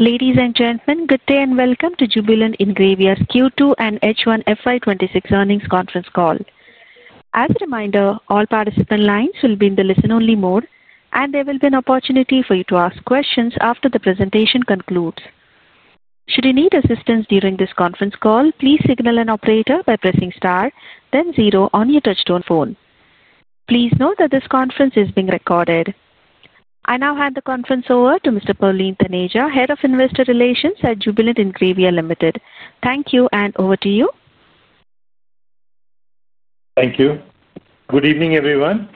Ladies and gentlemen, good day and welcome to Jubilant Ingrevia's Q2 and H1 FY 2026 earnings conference call. As a reminder, all participant lines will be in the listen-only mode, and there will be an opportunity for you to ask questions after the presentation concludes. Should you need assistance during this conference call, please signal an operator by pressing star, then zero on your touch-tone phone. Please note that this conference is being recorded. I now hand the conference over to Mr. Pavleen Taneja, Head of Investor Relations at Jubilant Ingrevia Limited. Thank you and over to you. Thank you. Good evening, everyone.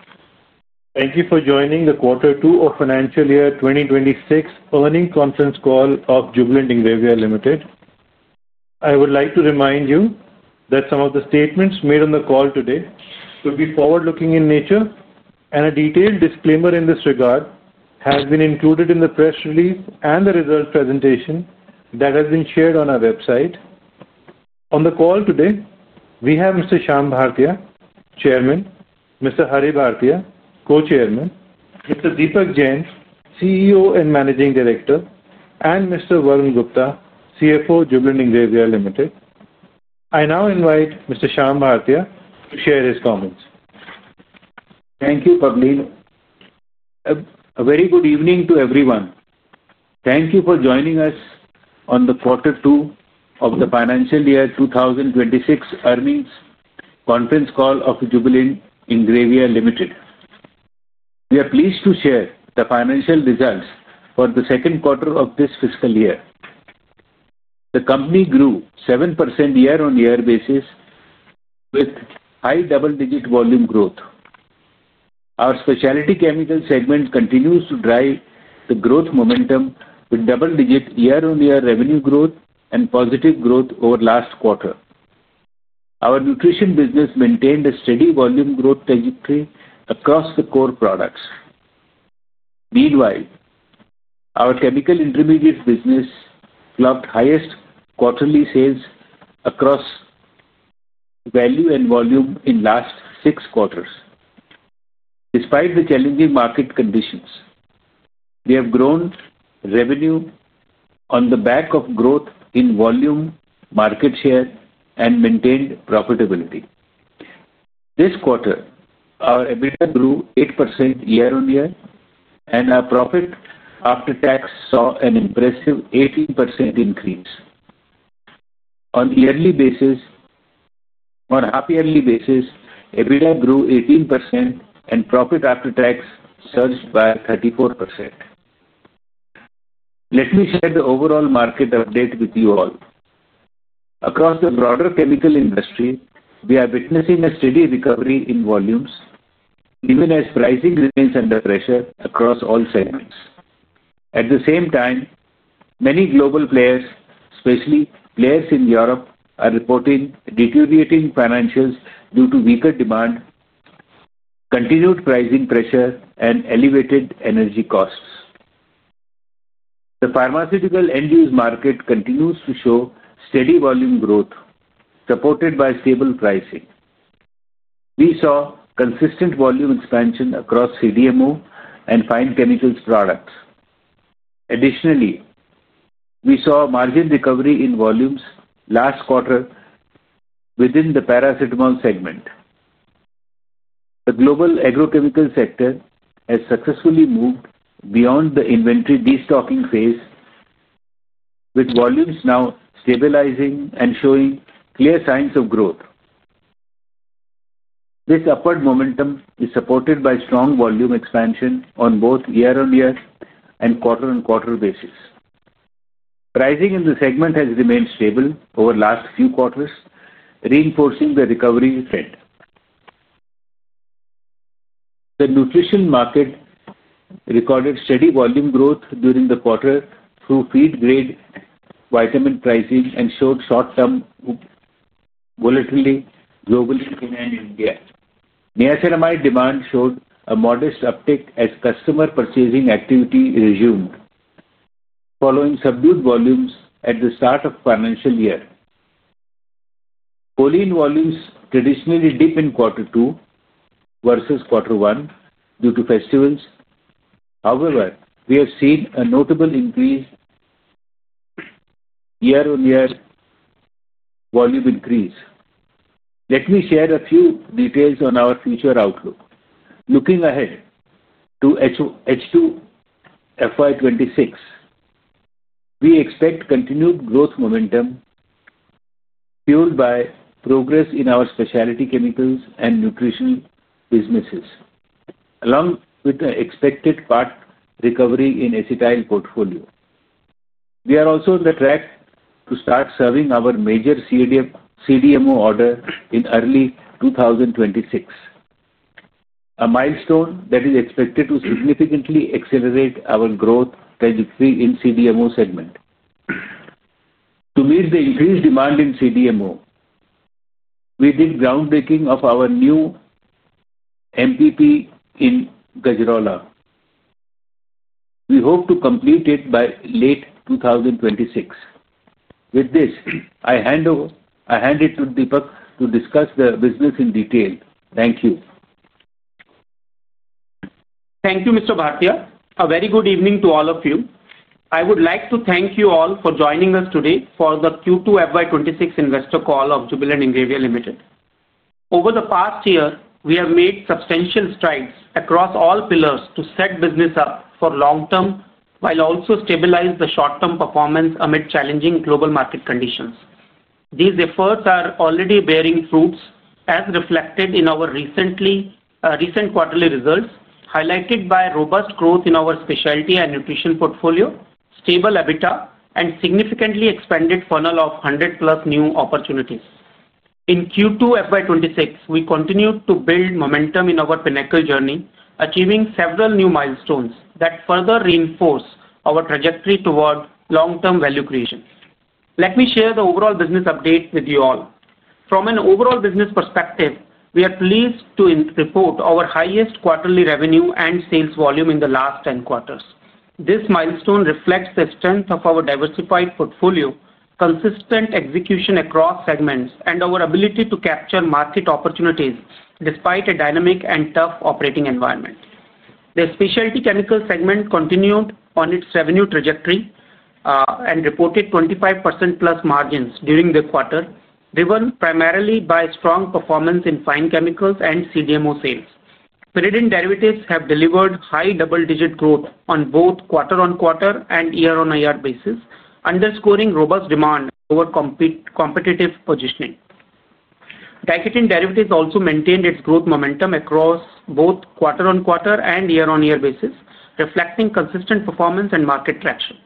Thank you for joining the Quarter Two of Financial Year 2026 earnings conference call of Jubilant Ingrevia Limited. I would like to remind you that some of the statements made on the call today will be forward-looking in nature, and a detailed disclaimer in this regard has been included in the press release and the results presentation that has been shared on our website. On the call today, we have Mr. Shyam Bhartia, Chairman, Mr. Deepak Jain, CEO and Managing Director, and Mr. Varun Gupta, CFO, Jubilant Ingrevia Limited. I now invite Mr. Shyam Bhartia to share his comments. Thank you, Pavleen. A very good evening to everyone. Thank you for joining us on the Quarter Two of the Financial Year 2026 earnings conference call of Jubilant Ingrevia Limited. We are pleased to share the financial results for the second quarter of this fiscal year. The company grew 7% year-on-year basis with high double-digit volume growth. Our specialty chemicals segment continues to drive the growth momentum with double-digit year-on-year revenue growth and positive growth over the last quarter. Our nutrition business maintained a steady volume growth trajectory across the core products. Meanwhile, our chemical intermediate business logged highest quarterly sales across value and volume in the last six quarters. Despite the challenging market conditions, we have grown revenue on the back of growth in volume, market share, and maintained profitability. This quarter, our EBITDA grew 8% year-on-year, and our profit after tax saw an impressive 18% increase. On a half-yearly basis, EBITDA grew 18% and profit after tax surged by 34%. Let me share the overall market update with you all. Across the broader chemical industry, we are witnessing a steady recovery in volumes, even as pricing remains under pressure across all segments. At the same time, many global players, especially players in Europe, are reporting deteriorating financials due to weaker demand, continued pricing pressure, and elevated energy costs. The pharmaceutical end-use market continues to show steady volume growth, supported by stable pricing. We saw consistent volume expansion across CDMO and fine chemicals products. Additionally, we saw margin recovery in volumes last quarter within the paracetamol segment. The global agrochemical sector has successfully moved beyond the inventory destocking phase, with volumes now stabilizing and showing clear signs of growth. This upward momentum is supported by strong volume expansion on both year-on-year and quarter-on-quarter basis. Pricing in the segment has remained stable over the last few quarters, reinforcing the recovery trend. The nutrition market recorded steady volume growth during the quarter through feed-grade vitamin pricing and showed short-term volatility globally in India. Niacinamide demand showed a modest uptick as customer purchasing activity resumed following subdued volumes at the start of the financial year. Pollen volumes traditionally dip in Q2 versus Q1 due to festivals. However, we have seen a notable increase in year-on-year volume increase. Let me share a few details on our future outlook. Looking ahead to H2 FY 2026, we expect continued growth momentum fueled by progress in our specialty chemicals and nutrition businesses, along with the expected part recovery in the acetyl portfolio. We are also on the track to start serving our major CDMO order in early 2026, a milestone that is expected to significantly accelerate our growth trajectory in the CDMO segment. To meet the increased demand in CDMO, we did groundbreaking of our new MPP in Gujarat. We hope to complete it by late 2026. With this, I hand it to Deepak to discuss the business in detail. Thank you. Thank you, Mr. Bhartia. A very good evening to all of you. I would like to thank you all for joining us today for the Q2 FY 2026 investor call of Jubilant Ingrevia Limited. Over the past year, we have made substantial strides across all pillars to set business up for long term while also stabilizing the short-term performance amid challenging global market conditions. These efforts are already bearing fruits, as reflected in our recent quarterly results, highlighted by robust growth in our specialty and nutrition portfolio, stable EBITDA, and a significantly expanded funnel of 100+ new opportunities. In Q2 FY 2026, we continued to build momentum in our pinnacle journey, achieving several new milestones that further reinforce our trajectory toward long-term value creation. Let me share the overall business update with you all. From an overall business perspective, we are pleased to report our highest quarterly revenue and sales volume in the last 10 quarters. This milestone reflects the strength of our diversified portfolio, consistent execution across segments, and our ability to capture market opportunities despite a dynamic and tough operating environment. The specialty chemicals segment continued on its revenue trajectory and reported 25%+ margins during the quarter, driven primarily by strong performance in fine chemicals and CDMO sales. Pyridine derivatives have delivered high double-digit growth on both quarter-on-quarter and year-on-year basis, underscoring robust demand over competitive positioning. Picoline derivatives also maintained its growth momentum across both quarter-on-quarter and year-on-year basis, reflecting consistent performance and market traction.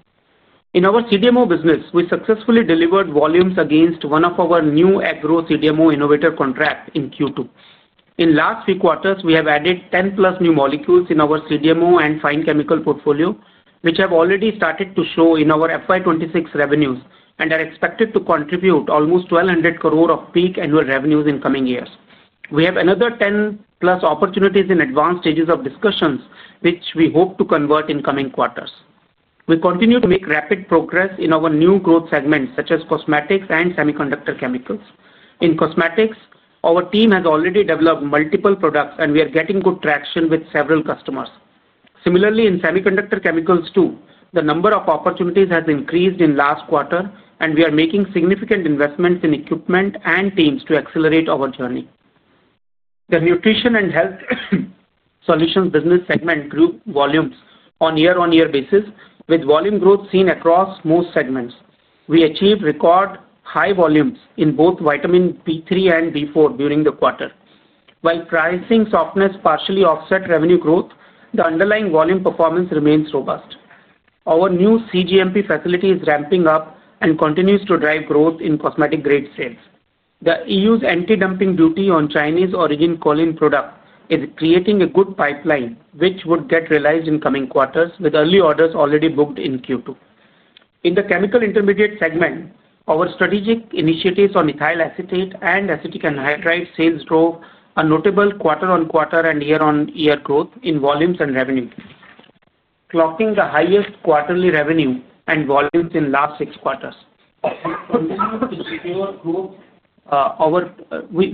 In our CDMO business, we successfully delivered volumes against one of our new agro-CDMO innovator contracts in Q2. In the last few quarters, we have added 10+ new molecules in our CDMO and fine chemical portfolio, which have already started to show in our FY 2026 revenues and are expected to contribute almost 1,200 crore of peak annual revenues in the coming years. We have another 10+ opportunities in advanced stages of discussions, which we hope to convert in the coming quarters. We continue to make rapid progress in our new growth segments, such as cosmetics and semiconductor chemicals. In cosmetics, our team has already developed multiple products, and we are getting good traction with several customers. Similarly, in semiconductor chemicals too, the number of opportunities has increased in the last quarter, and we are making significant investments in equipment and teams to accelerate our journey. The nutrition and health solutions business segment grew volumes on a year-on-year basis, with volume growth seen across most segments. We achieved record high volumes in both vitamin B3 and B4 during the quarter. While pricing softness partially offset revenue growth, the underlying volume performance remains robust. Our new cGMP facility is ramping up and continues to drive growth in cosmetic-grade sales. The EU's anti-dumping duty on Chinese origin choline products is creating a good pipeline, which would get realized in the coming quarters, with early orders already booked in Q2. In the chemical intermediate segment, our strategic initiatives on ethyl acetate and acetic anhydride sales drove a notable quarter-on-quarter and year-on-year growth in volumes and revenue, clocking the highest quarterly revenue and volumes in the last six quarters. We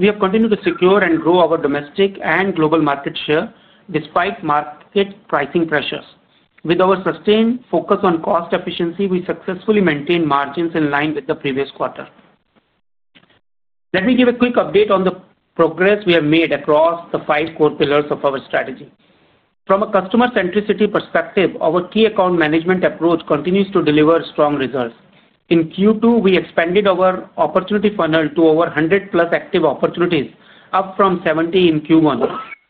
have continued to secure and grow our domestic and global market share despite market pricing pressures. With our sustained focus on cost efficiency, we successfully maintained margins in line with the previous quarter. Let me give a quick update on the progress we have made across the five core pillars of our strategy. From a customer centricity perspective, our key account management approach continues to deliver strong results. In Q2, we expanded our opportunity funnel to over 100+ active opportunities, up from 70 in Q1,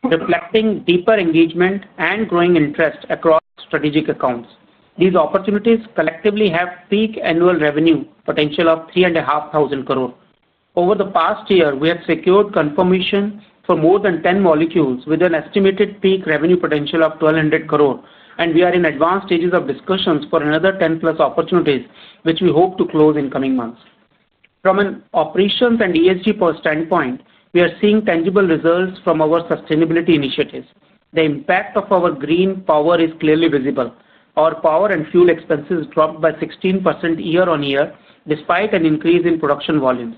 reflecting deeper engagement and growing interest across strategic accounts. These opportunities collectively have peak annual revenue potential of 3.5 billion. Over the past year, we have secured confirmation for more than 10 molecules with an estimated peak revenue potential of 1.2 billion, and we are in advanced stages of discussions for another 10+ opportunities, which we hope to close in the coming months. From an operations and ESG standpoint, we are seeing tangible results from our sustainability initiatives. The impact of our green power is clearly visible. Our power and fuel expenses dropped by 16% year-on-year despite an increase in production volumes.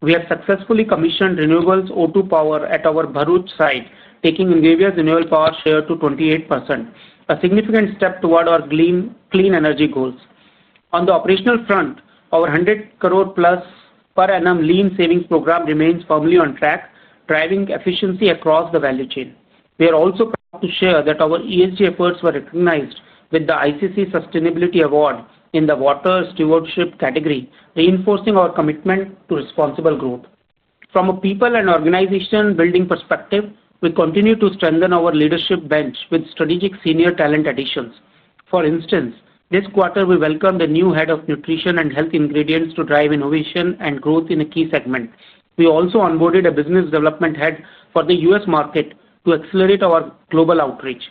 We have successfully commissioned renewables O2 power at our Bharuch site, taking Ingrevia's renewable power share to 28%, a significant step toward our clean energy goals. On the operational front, our 100+ crore per annum lean savings program remains firmly on track, driving efficiency across the value chain. We are also proud to share that our ESG efforts were recognized with the ICC Sustainability Award in the Water Stewardship category, reinforcing our commitment to responsible growth. From a people and organization building perspective, we continue to strengthen our leadership bench with strategic senior talent additions. For instance, this quarter, we welcomed the new Head of Nutrition and Health Ingredients to drive innovation and growth in a key segment. We also onboarded a Business Development Head for the U.S. market to accelerate our global outreach.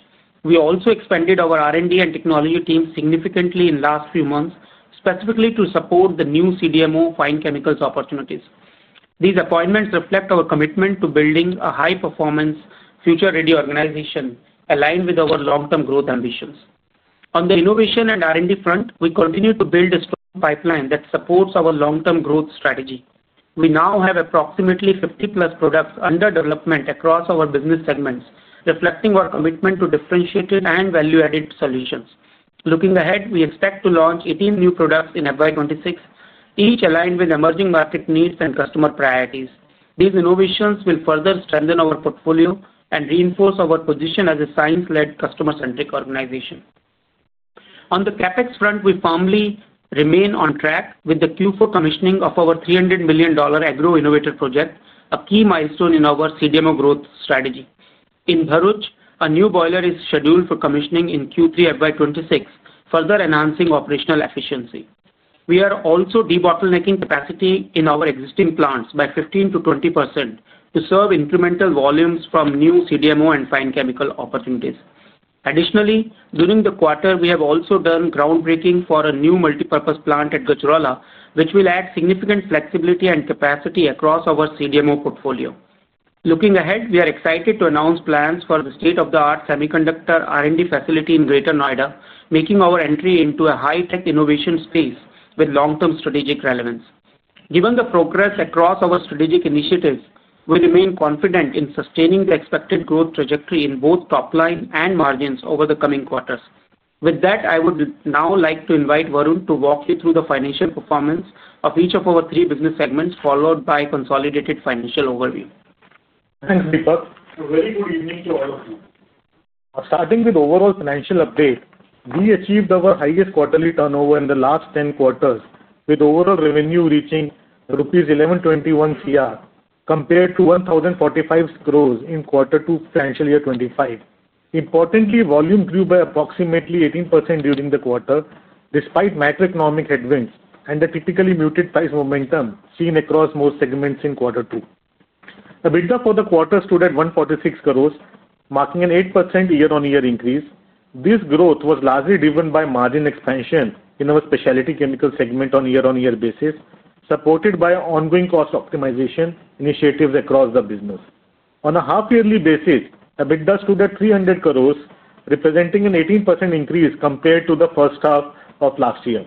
We also expanded our R&D and technology teams significantly in the last few months, specifically to support the new CDMO fine chemicals opportunities. These appointments reflect our commitment to building a high-performance future-ready organization aligned with our long-term growth ambitions. On the innovation and R&D front, we continue to build a strong pipeline that supports our long-term growth strategy. We now have approximately 50+ products under development across our business segments, reflecting our commitment to differentiated and value-added solutions. Looking ahead, we expect to launch 18 new products in FY 2026, each aligned with emerging market needs and customer priorities. These innovations will further strengthen our portfolio and reinforce our position as a science-led customer-centric organization. On the CapEx front, we firmly remain on track with the Q4 commissioning of our $300 million agro innovator project, a key milestone in our CDMO growth strategy. In Bharuch, a new boiler is scheduled for commissioning in Q3 FY 2026, further enhancing operational efficiency. We are also debottlenecking capacity in our existing plants by 15%-20% to serve incremental volumes from new CDMO and fine chemical opportunities. Additionally, during the quarter, we have also done groundbreaking for a new multipurpose plant at Gujarat, which will add significant flexibility and capacity across our CDMO portfolio. Looking ahead, we are excited to announce plans for the state-of-the-art semiconductor R&D facility in Greater Noida, making our entry into a high-tech innovation space with long-term strategic relevance. Given the progress across our strategic initiatives, we remain confident in sustaining the expected growth trajectory in both top line and margins over the coming quarters. With that, I would now like to invite Varun to walk you through the financial performance of each of our three business segments, followed by a consolidated financial overview. Thanks, Deepak. A very good evening to all of you. Starting with the overall financial update, we achieved our highest quarterly turnover in the last 10 quarters, with overall revenue reaching rupees 1,121 crore, compared to 1,045 crore in Q2 financial year 2025. Importantly, volume grew by approximately 18% during the quarter, despite macroeconomic headwinds and the typically muted price momentum seen across most segments in Q2. EBITDA for the quarter stood at 146 crore, marking an 8% year-on-year increase. This growth was largely driven by margin expansion in our specialty chemicals segment on a year-on-year basis, supported by ongoing cost optimization initiatives across the business. On a half-yearly basis, EBITDA stood at 300 crore, representing an 18% increase compared to the first half of last year.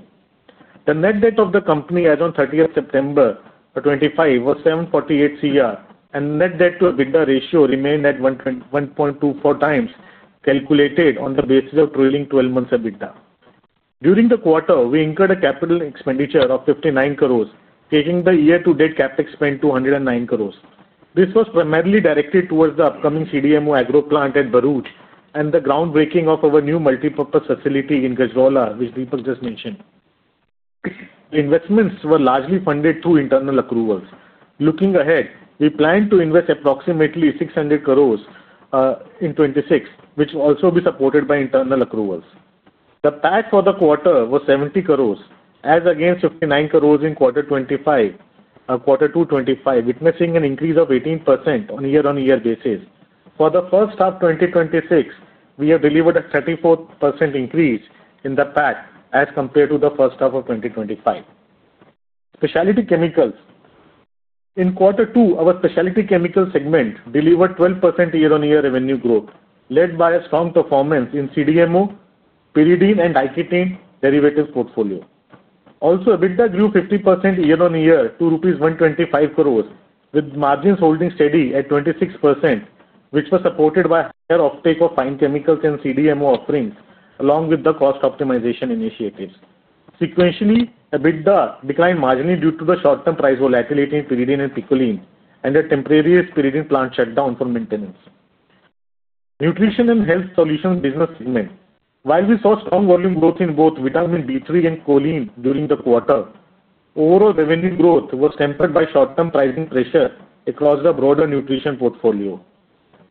The net debt of the company as on 30th September 2025 was 748 crore, and the net debt-to-EBITDA ratio remained at 1.24x, calculated on the basis of trailing 12 months EBITDA. During the quarter, we incurred a capital expenditure of 59 crore, taking the year-to-date CapEx spend to 109 crore. This was primarily directed towards the upcoming CDMO agro plant at Bharuch and the groundbreaking of our new multipurpose facility in Gujarat, which Deepak just mentioned. The investments were largely funded through internal accruals. Looking ahead, we plan to invest approximately 600 crore in 2026, which will also be supported by internal accruals. The PAT for the quarter was 70 crore, as against 59 crore in Q2 2025, witnessing an increase of 18% on a year-on-year basis. For the first half of 2026, we have delivered a 34% increase in the PAT as compared to the first half of 2025. Specialty chemicals. In Q2, our specialty chemicals segment delivered 12% year-on-year revenue growth, led by a strong performance in CDMO, pyridine, and pyridine derivatives portfolio. Also, EBITDA grew 50% year-on-year to 125 crore rupees, with margins holding steady at 26%, which was supported by a higher uptake of fine chemicals and CDMO offerings, along with the cost optimization initiatives. Sequentially, EBITDA declined marginally due to the short-term price volatility in pyridine and picolines and a temporary pyridine plant shutdown for maintenance. Nutrition and health solutions business segment. While we saw strong volume growth in both vitamin B3 and choline during the quarter, overall revenue growth was tempered by short-term pricing pressure across the broader nutrition portfolio,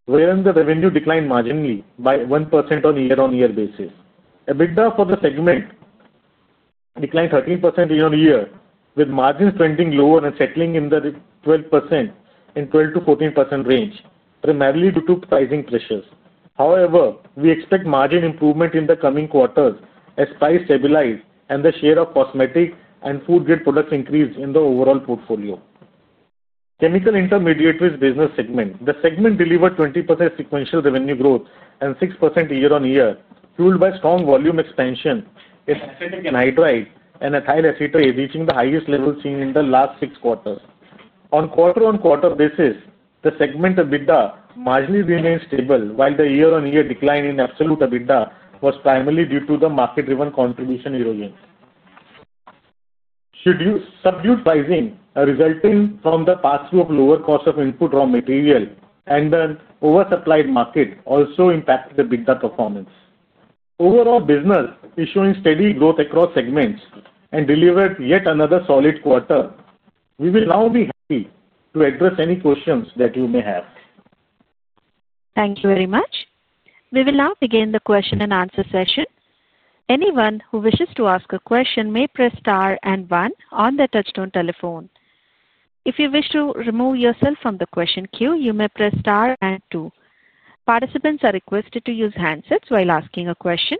wherein the revenue declined marginally by 1% on a year-on-year basis. EBITDA for the segment declined 13% year-on-year, with margins trending lower and settling in the 12% and 12%-14% range, primarily due to pricing pressures. However, we expect margin improvement in the coming quarters as prices stabilized and the share of cosmetic and food-grade products increased in the overall portfolio. Chemical intermediates business segment. The segment delivered 20% sequential revenue growth and 6% year-on-year, fueled by strong volume expansion in acetic anhydride and ethyl acetate, reaching the highest levels seen in the last six quarters. On a quarter-on-quarter basis, the segment EBITDA marginally remained stable, while the year-on-year decline in absolute EBITDA was primarily due to the market-driven contribution erosion. Subdued pricing resulting from the pass-through of lower cost of input raw material and the oversupplied market also impacted EBITDA performance. Overall, business is showing steady growth across segments and delivered yet another solid quarter. We will now be happy to address any questions that you may have. Thank you very much. We will now begin the question-and-answer session. Anyone who wishes to ask a question may press star and one on the touch-tone telephone. If you wish to remove yourself from the question queue, you may press star and two. Participants are requested to use handsets while asking a question.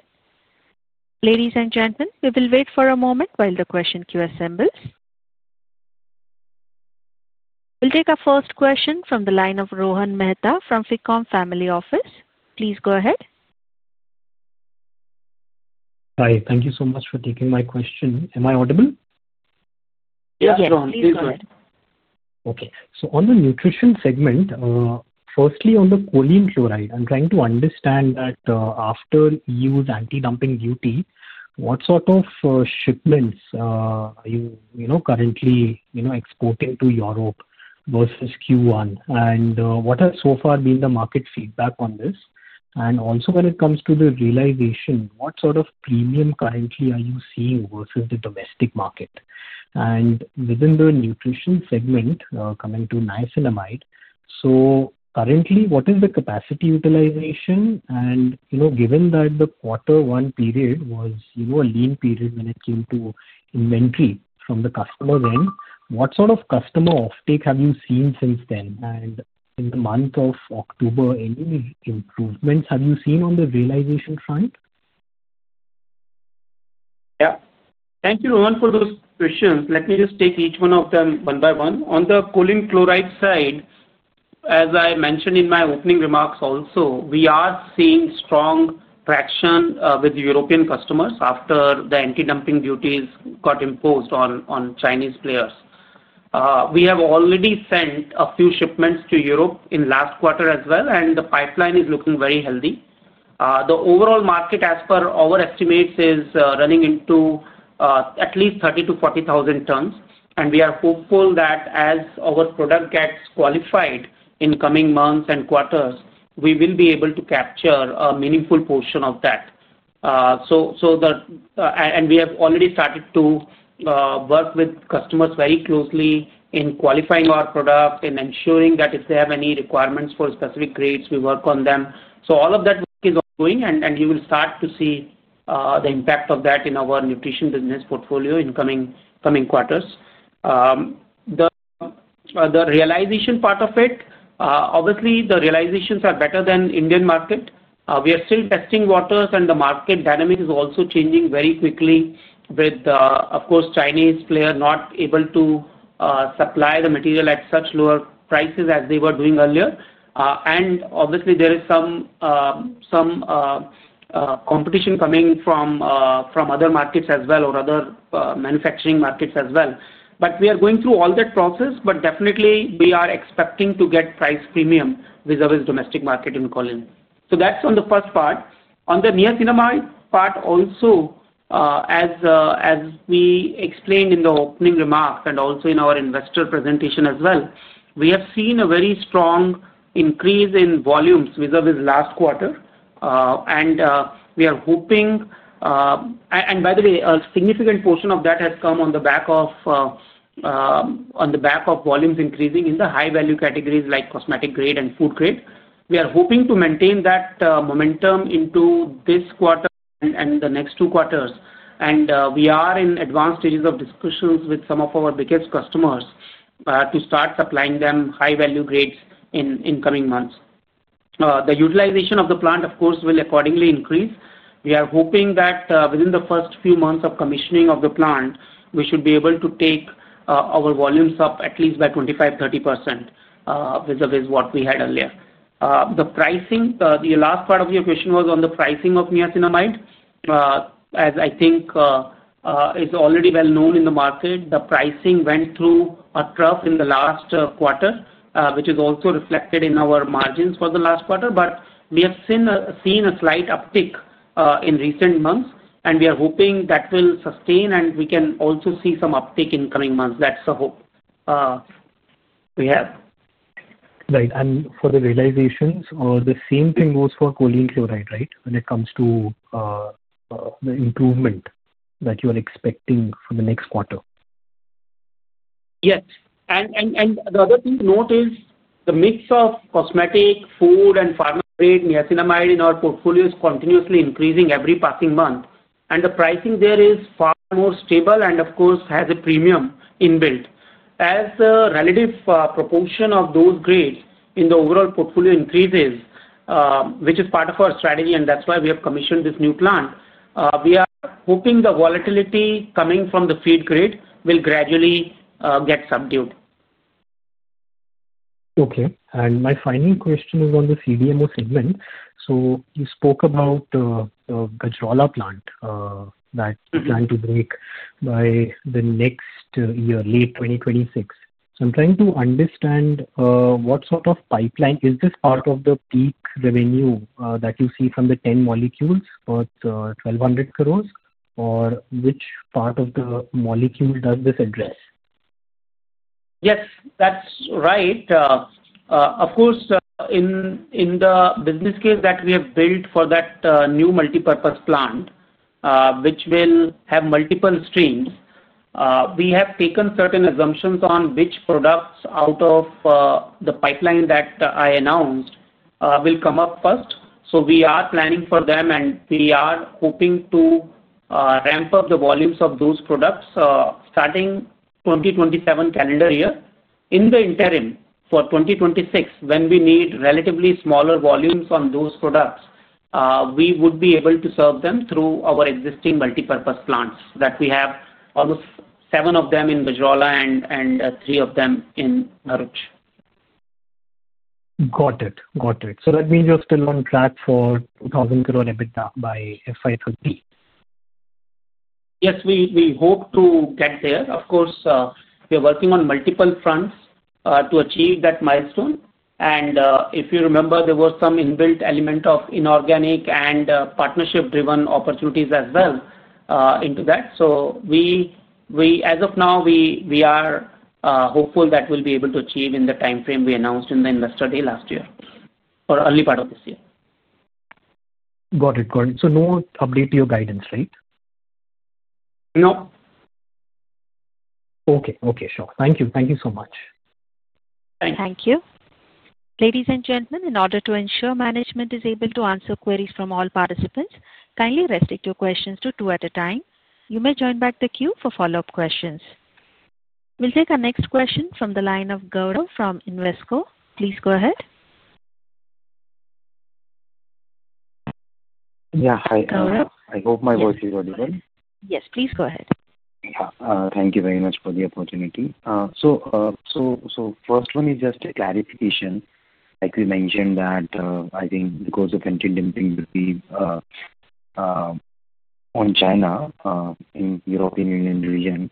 Ladies and gentlemen, we will wait for a moment while the question queue assembles. We'll take our first question from the line of Rohan Mehta from Ficom Family Office. Please go ahead. Hi, thank you so much for taking my question. Am I audible? Yes, please go ahead. Okay. On the nutrition segment, firstly on the choline chloride, I'm trying to understand that after the EU's anti-dumping duty, what sort of shipments are you currently exporting to Europe versus Q1? What has so far been the market feedback on this? When it comes to the realization, what sort of premium currently are you seeing versus the domestic market? Within the nutrition segment, coming to niacinamide, so currently, what is the capacity utilization? Given that the quarter one period was a lean period when it came to inventory from the customer's end, what sort of customer uptake have you seen since then? In the month of October, any improvements have you seen on the realization front? Thank you, Rohan, for those questions. Let me just take each one of them one by one. On the choline chloride side, as I mentioned in my opening remarks also, we are seeing strong traction with European customers after the anti-dumping duties got imposed on Chinese players. We have already sent a few shipments to Europe in the last quarter as well, and the pipeline is looking very healthy. The overall market, as per our estimates, is running into at least 30,000-40,000 tons. We are hopeful that as our product gets qualified in the coming months and quarters, we will be able to capture a meaningful portion of that. We have already started to work with customers very closely in qualifying our product and ensuring that if they have any requirements for specific grades, we work on them. All of that work is ongoing, and you will start to see the impact of that in our nutrition business portfolio in the coming quarters. The realization part of it, obviously, the realizations are better than the Indian market. We are still testing waters, and the market dynamic is also changing very quickly with, of course, Chinese players not able to supply the material at such lower prices as they were doing earlier. Obviously, there is some competition coming from other markets as well or other manufacturing markets as well. We are going through all that process, but definitely, we are expecting to get price premium vis-à-vis the domestic market in choline. That's on the first part. On the niacinamide part also, as we explained in the opening remarks and also in our investor presentation as well, we have seen a very strong increase in volumes vis-à-vis last quarter. We are hoping, and by the way, a significant portion of that has come on the back of volumes increasing in the high-value categories like cosmetic-grade and food-grade. We are hoping to maintain that momentum into this quarter and the next two quarters. We are in advanced stages of discussions with some of our biggest customers to start supplying them high-value grades in the coming months. The utilization of the plant, of course, will accordingly increase. We are hoping that within the first few months of commissioning of the plant, we should be able to take our volumes up at least by 25%-30% vis-à-vis what we had earlier. The pricing, the last part of your question was on the pricing of niacinamide. As I think is already well known in the market, the pricing went through a trough in the last quarter, which is also reflected in our margins for the last quarter. We have seen a slight uptick in recent months, and we are hoping that will sustain, and we can also see some uptick in the coming months. That's the hope we have. Right. For the realizations, the same thing goes for choline chloride, right, when it comes to the improvement that you are expecting for the next quarter? Yes. The other thing to note is the mix of cosmetic, food, and pharma-grade niacinamide in our portfolio is continuously increasing every passing month. The pricing there is far more stable and, of course, has a premium in build. As the relative proportion of those grades in the overall portfolio increases, which is part of our strategy, and that's why we have commissioned this new plant, we are hoping the volatility coming from the feed grade will gradually get subdued. Okay. My final question is on the CDMO segment. You spoke about the Gujarat plant that is trying to break by next year, late 2026. I'm trying to understand what sort of pipeline is this part of the peak revenue that you see from the 10 molecules worth 1,200 crore? Which part of the molecule does this address? Yes, that's right. Of course, in the business case that we have built for that new multipurpose plant, which will have multiple streams, we have taken certain assumptions on which products out of the pipeline that I announced will come up first. We are planning for them, and we are hoping to ramp up the volumes of those products starting 2027 calendar year. In the interim, for 2026, when we need relatively smaller volumes on those products, we would be able to serve them through our existing multipurpose plants that we have, almost seven of them in Gujarat and three of them in Bharuch. Got it. Got it. That means you're still on track for 2,000 crore EBITDA by FY 2023. Yes, we hope to get there. Of course, we are working on multiple fronts to achieve that milestone. If you remember, there was some inbuilt element of inorganic and partnership-driven opportunities as well into that. We, as of now, are hopeful that we'll be able to achieve in the timeframe we announced in the investor day last year or early part of this year. Got it. Got it. No update to your guidance, right? No. Okay. Okay. Sure. Thank you. Thank you so much. Thank you. Thank you. Ladies and gentlemen, in order to ensure management is able to answer queries from all participants, kindly restate your questions to two at a time. You may join back the queue for follow-up questions. We'll take our next question from the line of Gaurav from Invesco. Please go ahead. Hi. I hope my voice is audible. Yes, please go ahead. Thank you very much for the opportunity. The first one is just a clarification. Like we mentioned, I think because of anti-dumping duty on China in the European Union region,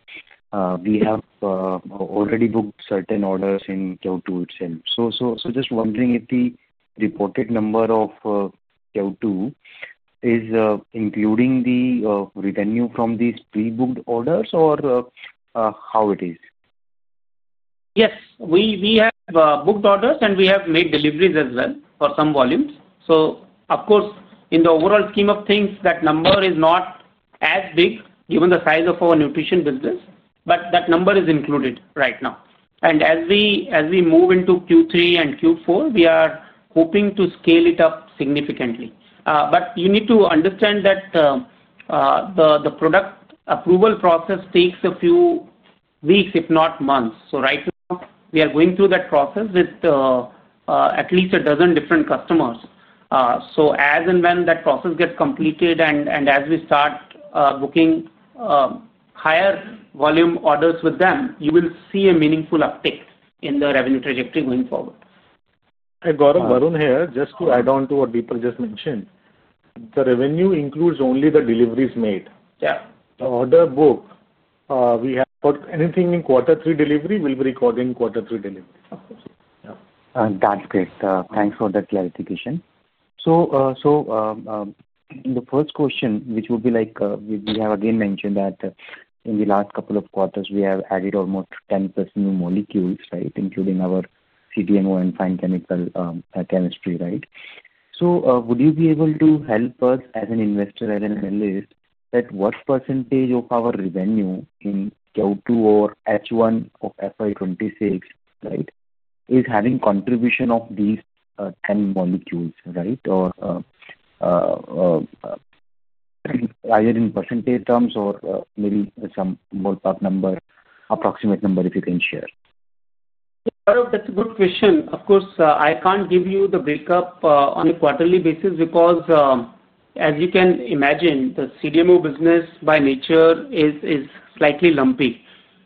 we have already booked certain orders in Q2 itself. I am just wondering if the reported number of Q2 is including the revenue from these pre-booked orders or how it is. Yes, we have booked orders, and we have made deliveries as well for some volumes. Of course, in the overall scheme of things, that number is not as big given the size of our nutrition business, but that number is included right now. As we move into Q3 and Q4, we are hoping to scale it up significantly. You need to understand that the product approval process takes a few weeks, if not months. Right now, we are going through that process with at least a dozen different customers. As and when that process gets completed and as we start booking higher volume orders with them, you will see a meaningful uptick in the revenue trajectory going forward. Gaurav, Varun here, just to add on to what Deepak just mentioned, the revenue includes only the deliveries made. The order booked, we have anything in quarter three delivery, we'll be recording quarter three delivery. Of course. Yeah, that's great. Thanks for the clarification. In the first question, which would be like, we have again mentioned that in the last couple of quarters, we have added almost 10% new molecules, right, including our CDMO and fine chemical chemistry, right? Would you be able to help us as an investor, as an analyst, what percentage of our revenue in Q2 or H1 of FY 2026 is having contribution of these 10 molecules, right, either in percentage terms or maybe some more top number, approximate number if you can share? Yeah, Gaurav, that's a good question. Of course, I can't give you the breakup on a quarterly basis because, as you can imagine, the CDMO business by nature is slightly lumpy.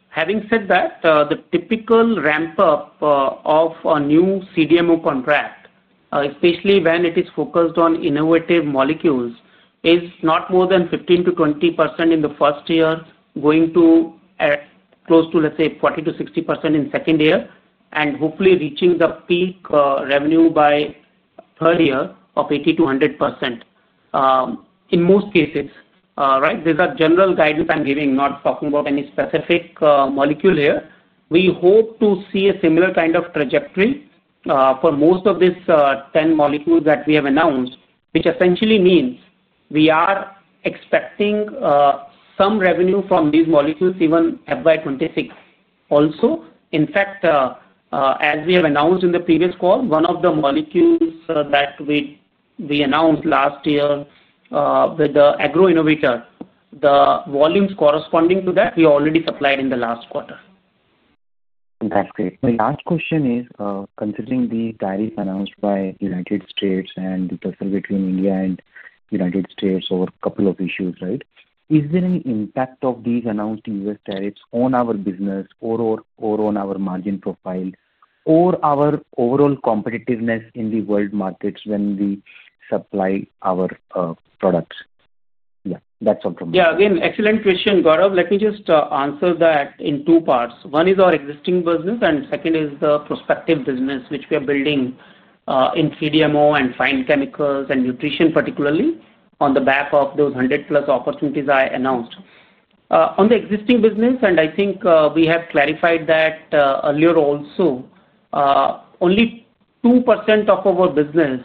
Having said that, the typical ramp-up of a new CDMO contract, especially when it is focused on innovative molecules, is not more than 15%-20% in the first year, going to close to, let's say, 40%-60% in the second year, and hopefully reaching the peak revenue by the third year of 80%-100%. In most cases, right, these are general guidance I'm giving, not talking about any specific molecule here. We hope to see a similar kind of trajectory for most of these 10 molecules that we have announced, which essentially means we are expecting some revenue from these molecules even FY 2026. Also, in fact, as we have announced in the previous call, one of the molecules that we announced last year with the agro innovator, the volumes corresponding to that we already supplied in the last quarter. That's great. My last question is, considering the tariffs announced by the U.S. and the difference between India and the U.S. over a couple of issues, is there any impact of these announced U.S. tariffs on our business or on our margin profile or our overall competitiveness in the world markets when we supply our products? Yeah, that's what from me. Yeah, again, excellent question, Gaurav. Let me just answer that in two parts. One is our existing business, and the second is the prospective business, which we are building in CDMO and fine chemicals and nutrition particularly, on the back of those 100+ opportunities I announced. On the existing business, and I think we have clarified that earlier also, only 2% of our business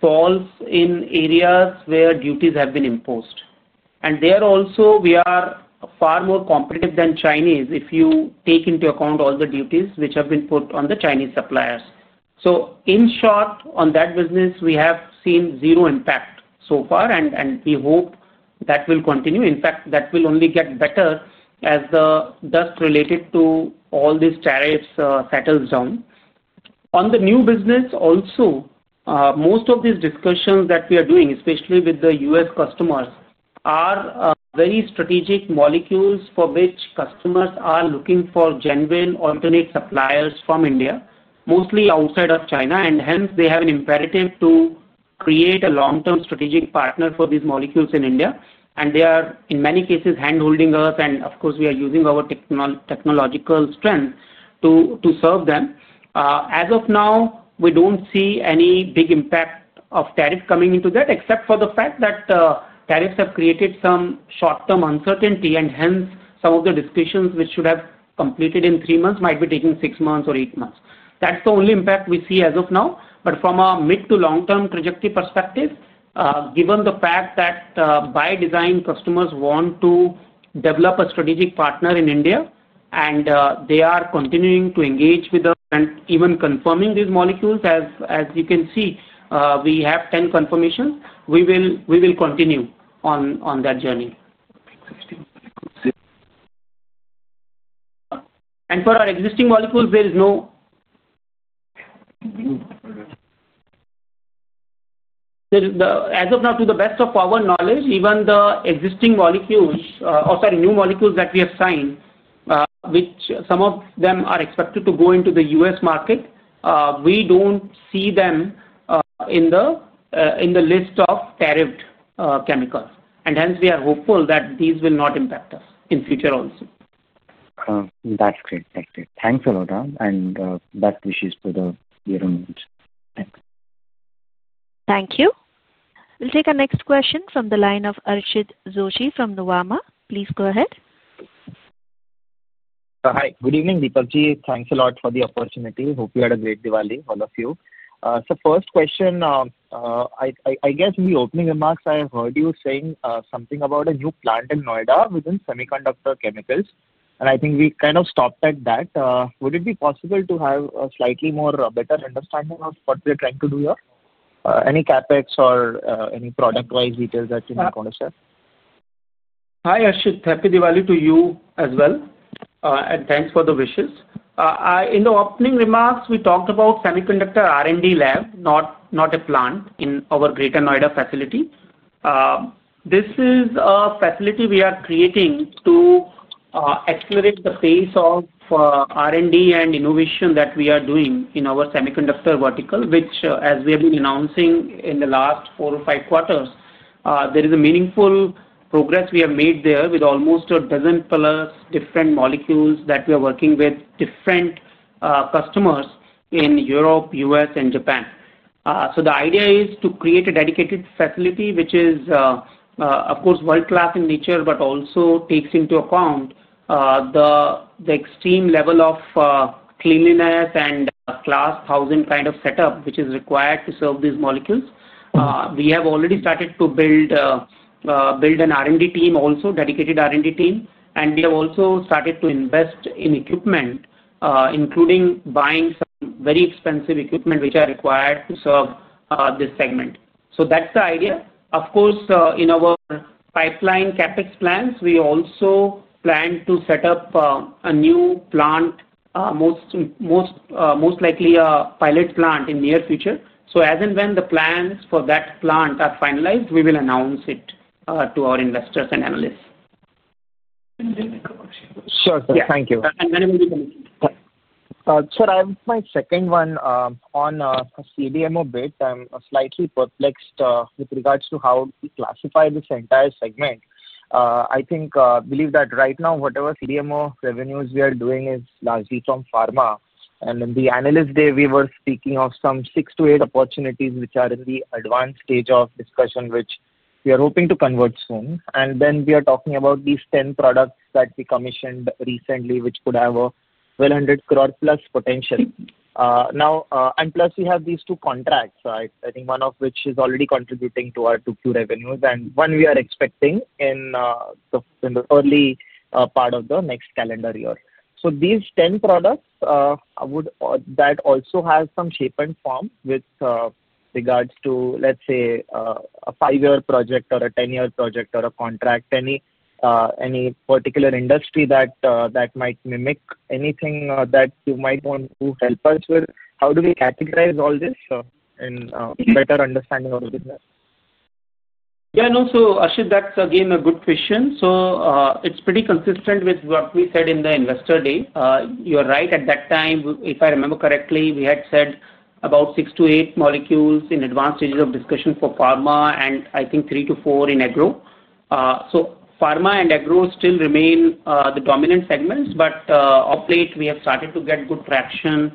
falls in areas where duties have been imposed. There also, we are far more competitive than Chinese if you take into account all the duties which have been put on the Chinese suppliers. In short, on that business, we have seen zero impact so far, and we hope that will continue. In fact, that will only get better as the dust related to all these tariffs settles down. On the new business also, most of these discussions that we are doing, especially with the U.S. customers, are very strategic molecules for which customers are looking for genuine alternate suppliers from India, mostly outside of China. Hence, they have an imperative to create a long-term strategic partner for these molecules in India. They are, in many cases, hand-holding us. Of course, we are using our technological strength to serve them. As of now, we don't see any big impact of tariff coming into that, except for the fact that tariffs have created some short-term uncertainty. Hence, some of the discussions which should have completed in three months might be taking six months or eight months. That's the only impact we see as of now. From a mid to long-term trajectory perspective, given the fact that by design, customers want to develop a strategic partner in India, and they are continuing to engage with us and even confirming these molecules, as you can see, we have 10 confirmations. We will continue on that journey. For our existing molecules, there is no, as of now, to the best of our knowledge, even the existing molecules, or sorry, new molecules that we have signed, which some of them are expected to go into the U.S. market, we don't see them in the list of tariffed chemicals. Hence, we are hopeful that these will not impact us in the future also. That's great. That's great. Thanks a lot, and best wishes for the year ahead. Thanks. Thank you. We'll take our next question from the line of Archit Joshi from Nuvama. Please go ahead. Hi. Good evening, Deepak. Thanks a lot for the opportunity. Hope you had a great Diwali, all of you. My first question, I guess in the opening remarks, I heard you saying something about a new plant in Greater Noida within semiconductor chemicals. I think we kind of stopped at that. Would it be possible to have a slightly more better understanding of what we are trying to do here? Any CapEx or any product-wise details that you might want to share? Hi, Archit. Happy Diwali to you as well, and thanks for the wishes. In the opening remarks, we talked about semiconductor R&D lab, not a plant, in our Greater Noida facility. This is a facility we are creating to accelerate the pace of R&D and innovation that we are doing in our semiconductor vertical, which, as we have been announcing in the last four or five quarters, there is meaningful progress we have made there with almost a dozen plus different molecules that we are working with different customers in Europe, U.S., and Japan. The idea is to create a dedicated facility, which is, of course, world-class in nature, but also takes into account the extreme level of cleanliness and class 1,000 kind of setup, which is required to serve these molecules. We have already started to build an R&D team, also a dedicated R&D team. We have also started to invest in equipment, including buying some very expensive equipment, which are required to serve this segment. That's the idea. In our pipeline CapEx plans, we also plan to set up a new plant, most likely a pilot plant in the near future. As and when the plans for that plant are finalized, we will announce it to our investors and analysts. Sure. Thank you. We will be coming back. Sure. I have my second one on a CDMO bit. I'm slightly perplexed with regards to how we classify this entire segment. I think I believe that right now, whatever CDMO revenues we are doing is largely from pharma. In the analyst day, we were speaking of some six to eight opportunities, which are in the advanced stage of discussion, which we are hoping to convert soon. We are talking about these 10 products that we commissioned recently, which could have a 1,200+ crore potential. Plus, we have these two contracts, right? I think one of which is already contributing to our Q2 revenues and one we are expecting in the early part of the next calendar year. These 10 products, I would that also have some shape and form with regards to, let's say, a five-year project or a 10-year project or a contract, any particular industry that might mimic anything that you might want to help us with. How do we categorize all this in better understanding of our business? Yeah, no. Archit, that's again a good question. It's pretty consistent with what we said in the investor day. You're right. At that time, if I remember correctly, we had said about six to eight molecules in advanced stages of discussion for pharma and I think three to four in agro. Pharma and agro still remain the dominant segments, but of late, we have started to get good traction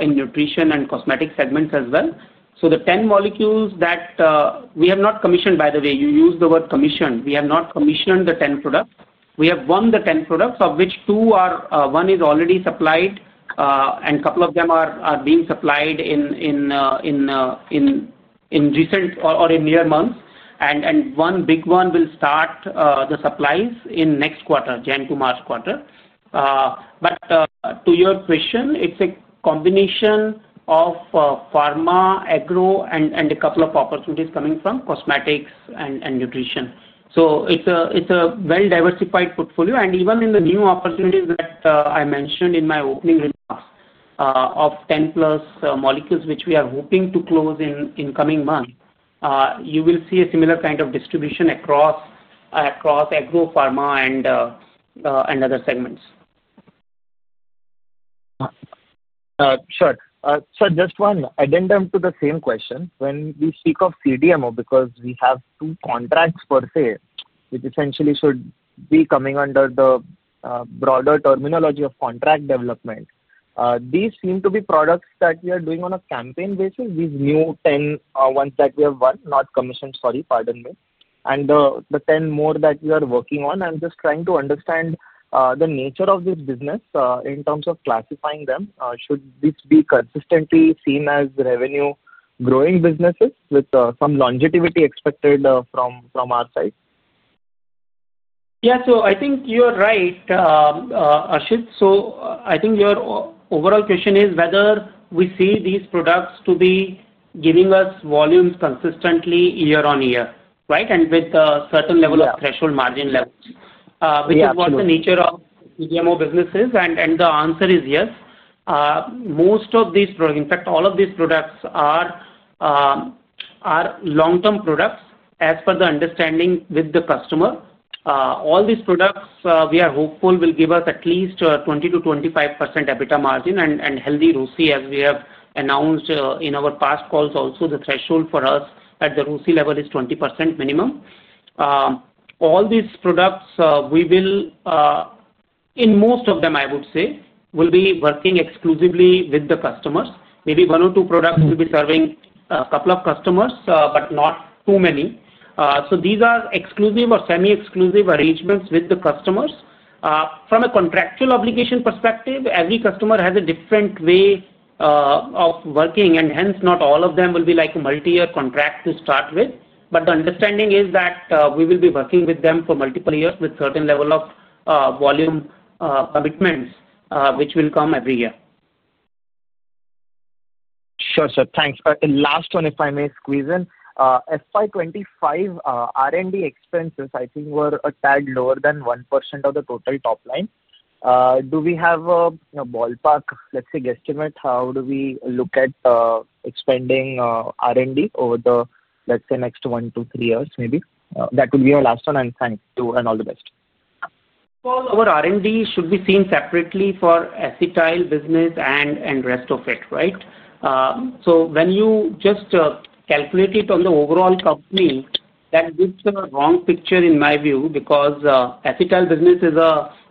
in nutrition and cosmetic segments as well. The 10 molecules that we have not commissioned, by the way, you used the word commission. We have not commissioned the 10 products. We have won the 10 products, of which one is already supplied, and a couple of them are being supplied in recent or in near months. One big one will start the supplies in next quarter, Jan to March quarter. To your question, it's a combination of pharma, agro, and a couple of opportunities coming from cosmetics and nutrition. It's a well-diversified portfolio. Even in the new opportunities that I mentioned in my opening remarks of 10+ molecules, which we are hoping to close in the coming months, you will see a similar kind of distribution across agro, pharma, and other segments. Sure. Just one addendum to the same question. When we speak of CDMO, because we have two contracts per se, which essentially should be coming under the broader terminology of contract development, these seem to be products that we are doing on a campaign basis, these new 10 ones that we have won, not commissioned, pardon me. The 10 more that we are working on, I'm just trying to understand the nature of this business in terms of classifying them. Should this be consistently seen as revenue-growing businesses with some longevity expected from our side? Yeah. I think you're right, Archit. I think your overall question is whether we see these products to be giving us volumes consistently year on year, right, and with a certain level of threshold margin levels, which is what the nature of CDMO business is. The answer is yes. Most of these products, in fact, all of these products are long-term products as per the understanding with the customer. All these products, we are hopeful will give us at least 20%-25% EBITDA margin and healthy ROCI, as we have announced in our past calls also. The threshold for us at the ROCI level is 20% minimum. All these products, in most of them, I would say, will be working exclusively with the customers. Maybe one or two products will be serving a couple of customers, but not too many. These are exclusive or semi-exclusive arrangements with the customers. From a contractual obligation perspective, every customer has a different way of working. Hence, not all of them will be like a multi-year contract to start with. The understanding is that we will be working with them for multiple years with a certain level of volume commitments, which will come every year. Sure, sir. Thanks. Last one, if I may squeeze in, FY 2025 R&D expenses, I think, were a tad lower than 1% of the total top line. Do we have a ballpark, let's say, guesstimate how do we look at expanding R&D over the, let's say, next one, two, three years, maybe? That would be my last one. Thanks too, and all the best. R&D should be seen separately for acetyl business and the rest of it, right? When you just calculate it on the overall company, that gives a wrong picture in my view because acetyl business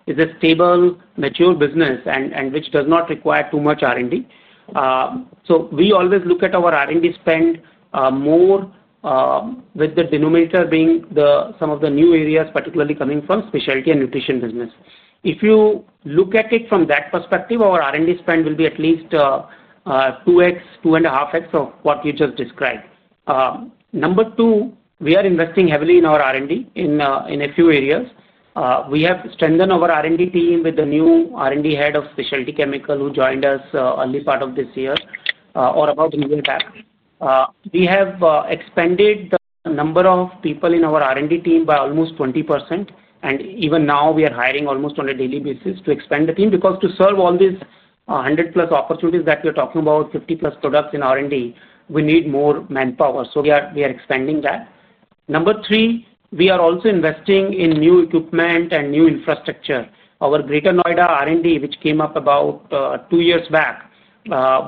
is a stable, mature business and does not require too much R&D. We always look at our R&D spend more with the denominator being some of the new areas, particularly coming from specialty and nutrition business. If you look at it from that perspective, our R&D spend will be at least 2x, 2.5x of what you just described. Number two, we are investing heavily in our R&D in a few areas. We have strengthened our R&D team with the new R&D Head of Specialty Chemical who joined us early part of this year or about a year back. We have expanded the number of people in our R&D team by almost 20%. Even now, we are hiring almost on a daily basis to expand the team because to serve all these 100+ opportunities that we are talking about, 50+ products in R&D, we need more manpower. We are expanding that. Number three, we are also investing in new equipment and new infrastructure. Our Greater Noida R&D, which came up about two years back,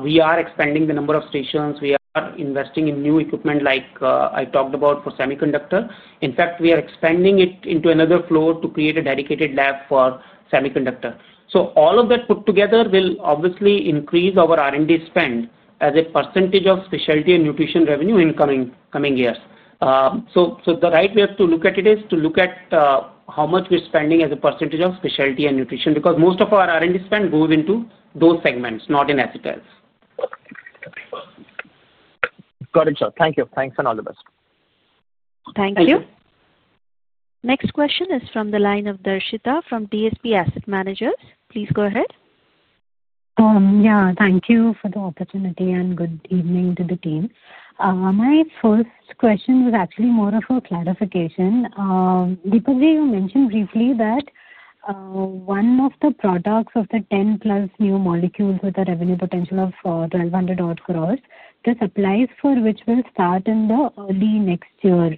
we are expanding the number of stations. We are investing in new equipment, like I talked about for semiconductor. In fact, we are expanding it into another floor to create a dedicated lab for semiconductor. All of that put together will obviously increase our R&D spend as a percentage of specialty and nutrition revenue in the coming years. The right way to look at it is to look at how much we're spending as a percentage of specialty and nutrition because most of our R&D spend goes into those segments, not in acetyls. Got it, sir. Thank you. Thanks and all the best. Thank you. Next question is from the line of Darshita from DSP Asset Managers. Please go ahead. Thank you for the opportunity and good evening to the team. My first question was actually more of a clarification. Deepak, you mentioned briefly that one of the products of the 10+ new molecules with a revenue potential of 1,200 crore, this applies for which will start in early next year.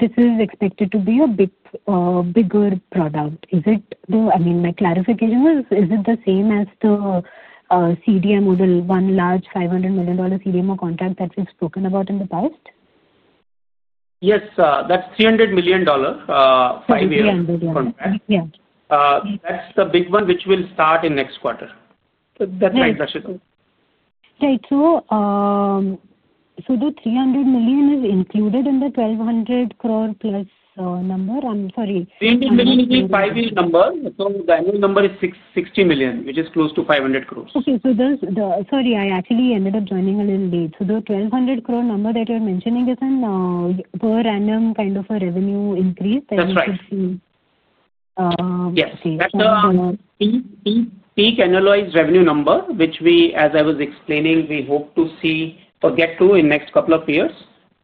This is expected to be a bigger product. Is it the, I mean, my clarification is, is it the same as the CDMO, the one large $500 million CDMO contract that we've spoken about in the past? Yes, that's $300 million five-year contract. Yeah, $300, yeah. That's the big one, which will start in the next quarter. Right. The 300 million is included in the 1,200+ crore number? I'm sorry. $300 million is the five-year number. The annual number is $60 million, which is close to 500 crores. Okay. There's the, sorry, I actually ended up joining a little late. The 1,200 crore number that you're mentioning isn't per annum kind of a revenue increase that you're expecting? That's right. Yes. That's the peak annualized revenue number, which we, as I was explaining, we hope to get to in the next couple of years.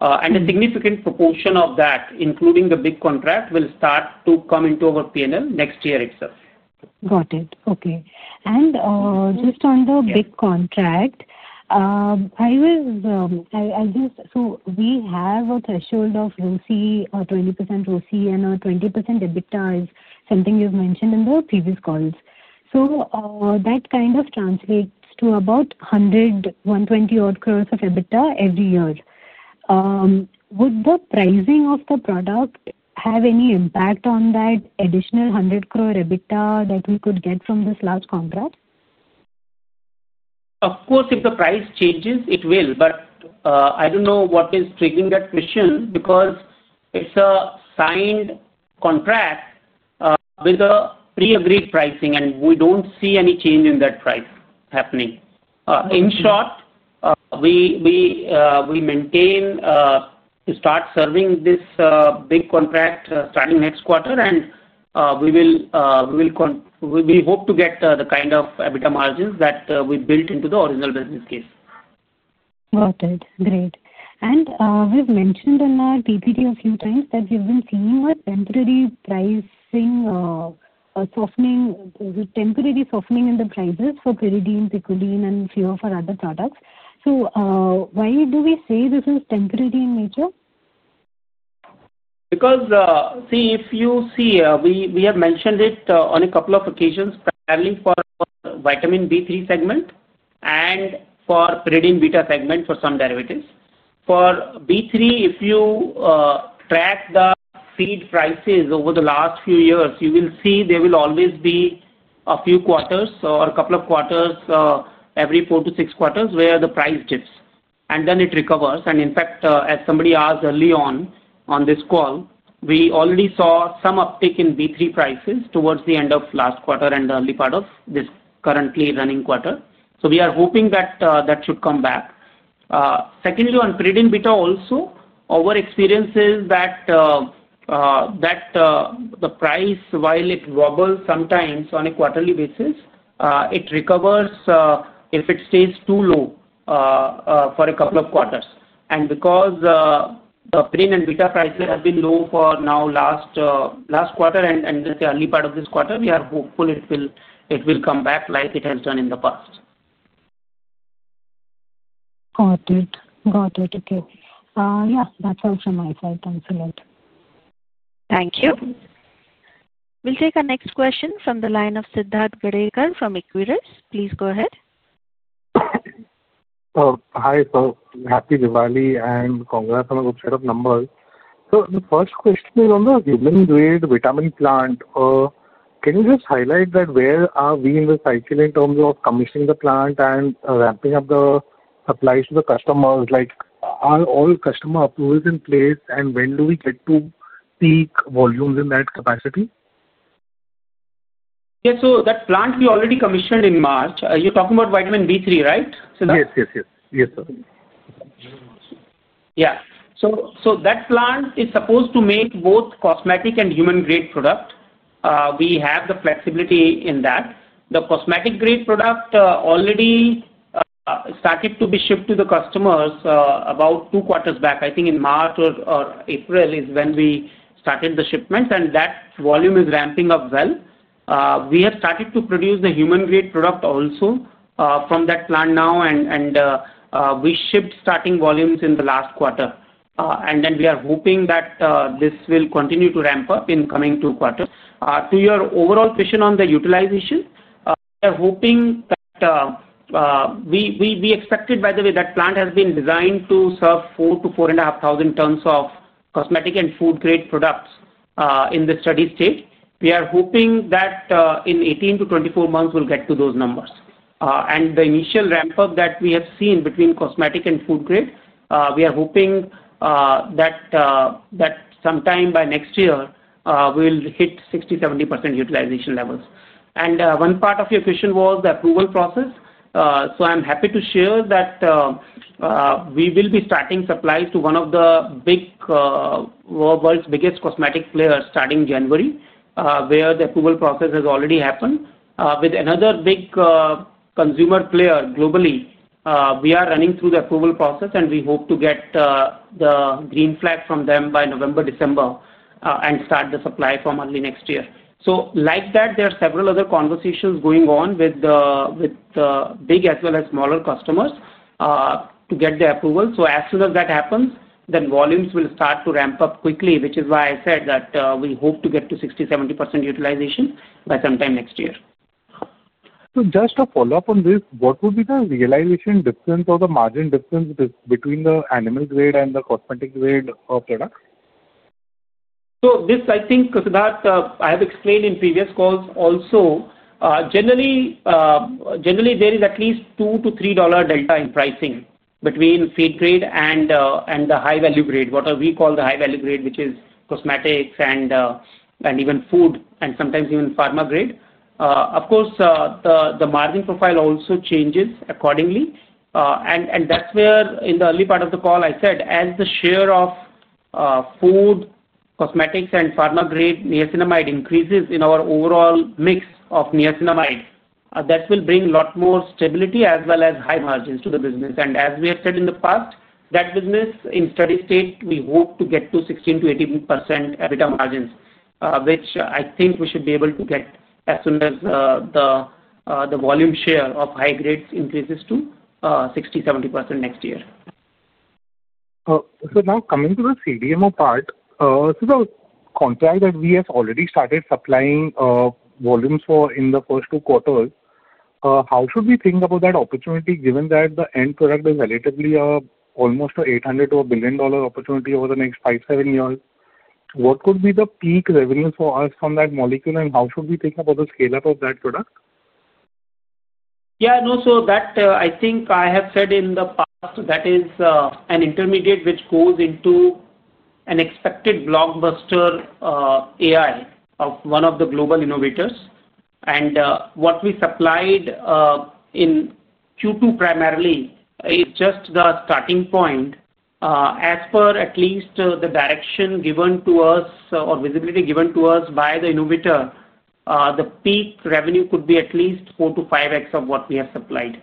A significant proportion of that, including the big contract, will start to come into our P&L next year itself. Got it. Okay. Just on the big contract, we have a threshold of ROCE, 20% ROCE and a 20% EBITDA is something you've mentioned in the previous calls. That kind of translates to about 100 crore-120 crore of EBITDA every year. Would the pricing of the product have any impact on that additional 100 crore EBITDA that we could get from this large contract? Of course, if the price changes, it will. I don't know what is triggering that question because it's a signed contract with a pre-agreed pricing, and we don't see any change in that price happening. In short, we maintain to start serving this big contract starting next quarter, and we will hope to get the kind of EBITDA margins that we built into the original business case. Got it. Great. We've mentioned in our PPT a few times that we've been seeing a temporary softening in the prices for pyridine, picolines, and a few of our other products. Why do we say this is temporary in nature? Because, see, if you see, we have mentioned it on a couple of occasions, primarily for vitamin B3 segment and for pyridine beta segment for some derivatives. For B3, if you track the feed prices over the last few years, you will see there will always be a few quarters or a couple of quarters, every four to six quarters, where the price dips, and then it recovers. In fact, as somebody asked early on on this call, we already saw some uptick in B3 prices towards the end of last quarter and the early part of this currently running quarter. We are hoping that that should come back. Secondly, on pyridine beta also, our experience is that the price, while it wobbles sometimes on a quarterly basis, it recovers if it stays too low for a couple of quarters. Because the pyridine and beta prices have been low for now last quarter and the early part of this quarter, we are hopeful it will come back like it has done in the past. Got it. Got it. Okay. Yeah, that's all from my side. Thanks a lot. Thank you. We'll take our next question from the line of Siddharth Wadekar from RDS. Please go ahead. Hi, sir. Happy Diwali and congrats on a good set of numbers. The first question is on the human-grade vitamin plant. Can you just highlight that where are we in the cycle in terms of commissioning the plant and ramping up the supply to the customers? Like, are all customer approvals in place, and when do we get to peak volumes in that capacity? Yeah, that plant we already commissioned in March. You're talking about vitamin B3, right, Siddharth? Yes, yes. Yes, sir. Yeah. That plant is supposed to make both cosmetic and human-grade products. We have the flexibility in that. The cosmetic-grade product already started to be shipped to the customers about two quarters back. I think in March or April is when we started the shipments, and that volume is ramping up well. We have started to produce the human-grade product also from that plant now, and we shipped starting volumes in the last quarter. We are hoping that this will continue to ramp up in the coming two quarters. To your overall question on the utilization, we are hoping that we expected, by the way, that plant has been designed to serve 4,000-4,500 tons of cosmetic and food-grade products in the steady stage. We are hoping that in 18-24 months, we'll get to those numbers. The initial ramp-up that we have seen between cosmetic and food grade, we are hoping that sometime by next year, we'll hit 60%-70% utilization levels. One part of your question was the approval process. I'm happy to share that we will be starting supplies to one of the world's biggest cosmetic players starting January, where the approval process has already happened. With another big consumer player globally, we are running through the approval process, and we hope to get the green flag from them by November or December and start the supply from early next year. There are several other conversations going on with the big as well as smaller customers to get the approval. As soon as that happens, then volumes will start to ramp up quickly, which is why I said that we hope to get to 60%-70% utilization by sometime next year. What would be the realization difference or the margin difference between the animal-grade and the cosmetic-grade product? I think, Siddharth, I have explained in previous calls also. Generally, there is at least $2-$3 delta in pricing between feed grade and the high-value grade, what we call the high-value grade, which is cosmetics and even food and sometimes even pharma grade. Of course, the margin profile also changes accordingly. That's where in the early part of the call, I said as the share of food, cosmetics, and pharma-grade niacinamide increases in our overall mix of niacinamide, that will bring a lot more stability as well as high margins to the business. As we have said in the past, that business in steady state, we hope to get to 16%-18% EBITDA margins, which I think we should be able to get as soon as the volume share of high grades increases to 60%-70% next year. Coming to the CDMO part, the contract that we have already started supplying volumes for in the first two quarters, how should we think about that opportunity given that the end product is relatively almost an $800 million-$1 billion opportunity over the next 5-7 years? What could be the peak revenue for us on that molecule, and how should we think about the scale-up of that product? Yeah, no. I think I have said in the past, that is an intermediate which goes into an expected blockbuster AI of one of the global innovators. What we supplied in Q2 primarily is just the starting point. As per at least the direction given to us or visibility given to us by the innovator, the peak revenue could be at least 4x-5x of what we have supplied.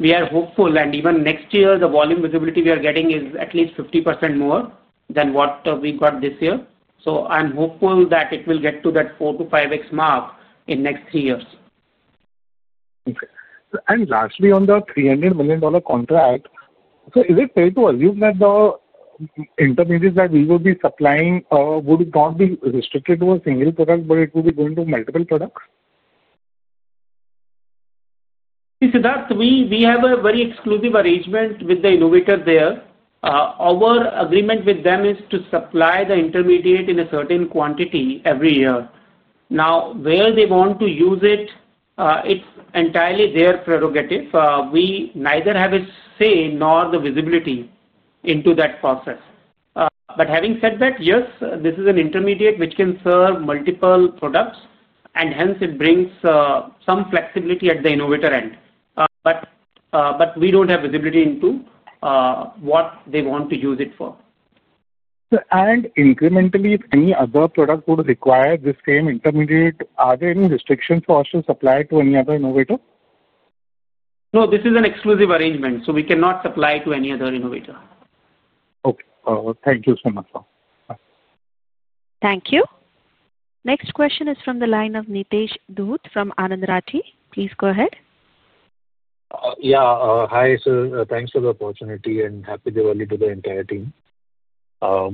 We are hopeful, and even next year, the volume visibility we are getting is at least 50% more than what we got this year. I'm hopeful that it will get to that 4x-5x mark in the next three years. Okay. Lastly, on the $300 million contract, is it fair to assume that the intermediate that we will be supplying would not be restricted to a single product, but it will be going to multiple products? Siddharth, we have a very exclusive arrangement with the innovator there. Our agreement with them is to supply the intermediate in a certain quantity every year. Where they want to use it, it's entirely their prerogative. We neither have a say nor the visibility into that process. Having said that, yes, this is an intermediate which can serve multiple products, and hence it brings some flexibility at the innovator end. We don't have visibility into what they want to use it for. If any other product would require the same intermediate, are there any restrictions for us to supply it to any other innovator? No, this is an exclusive arrangement. We cannot supply it to any other innovator. Okay, thank you so much, sir. Thank you. Next question is from the line of Nitesh Dhoot from Anand Rathi. Please go ahead. Hi, sir. Thanks for the opportunity and happy Diwali to the entire team. My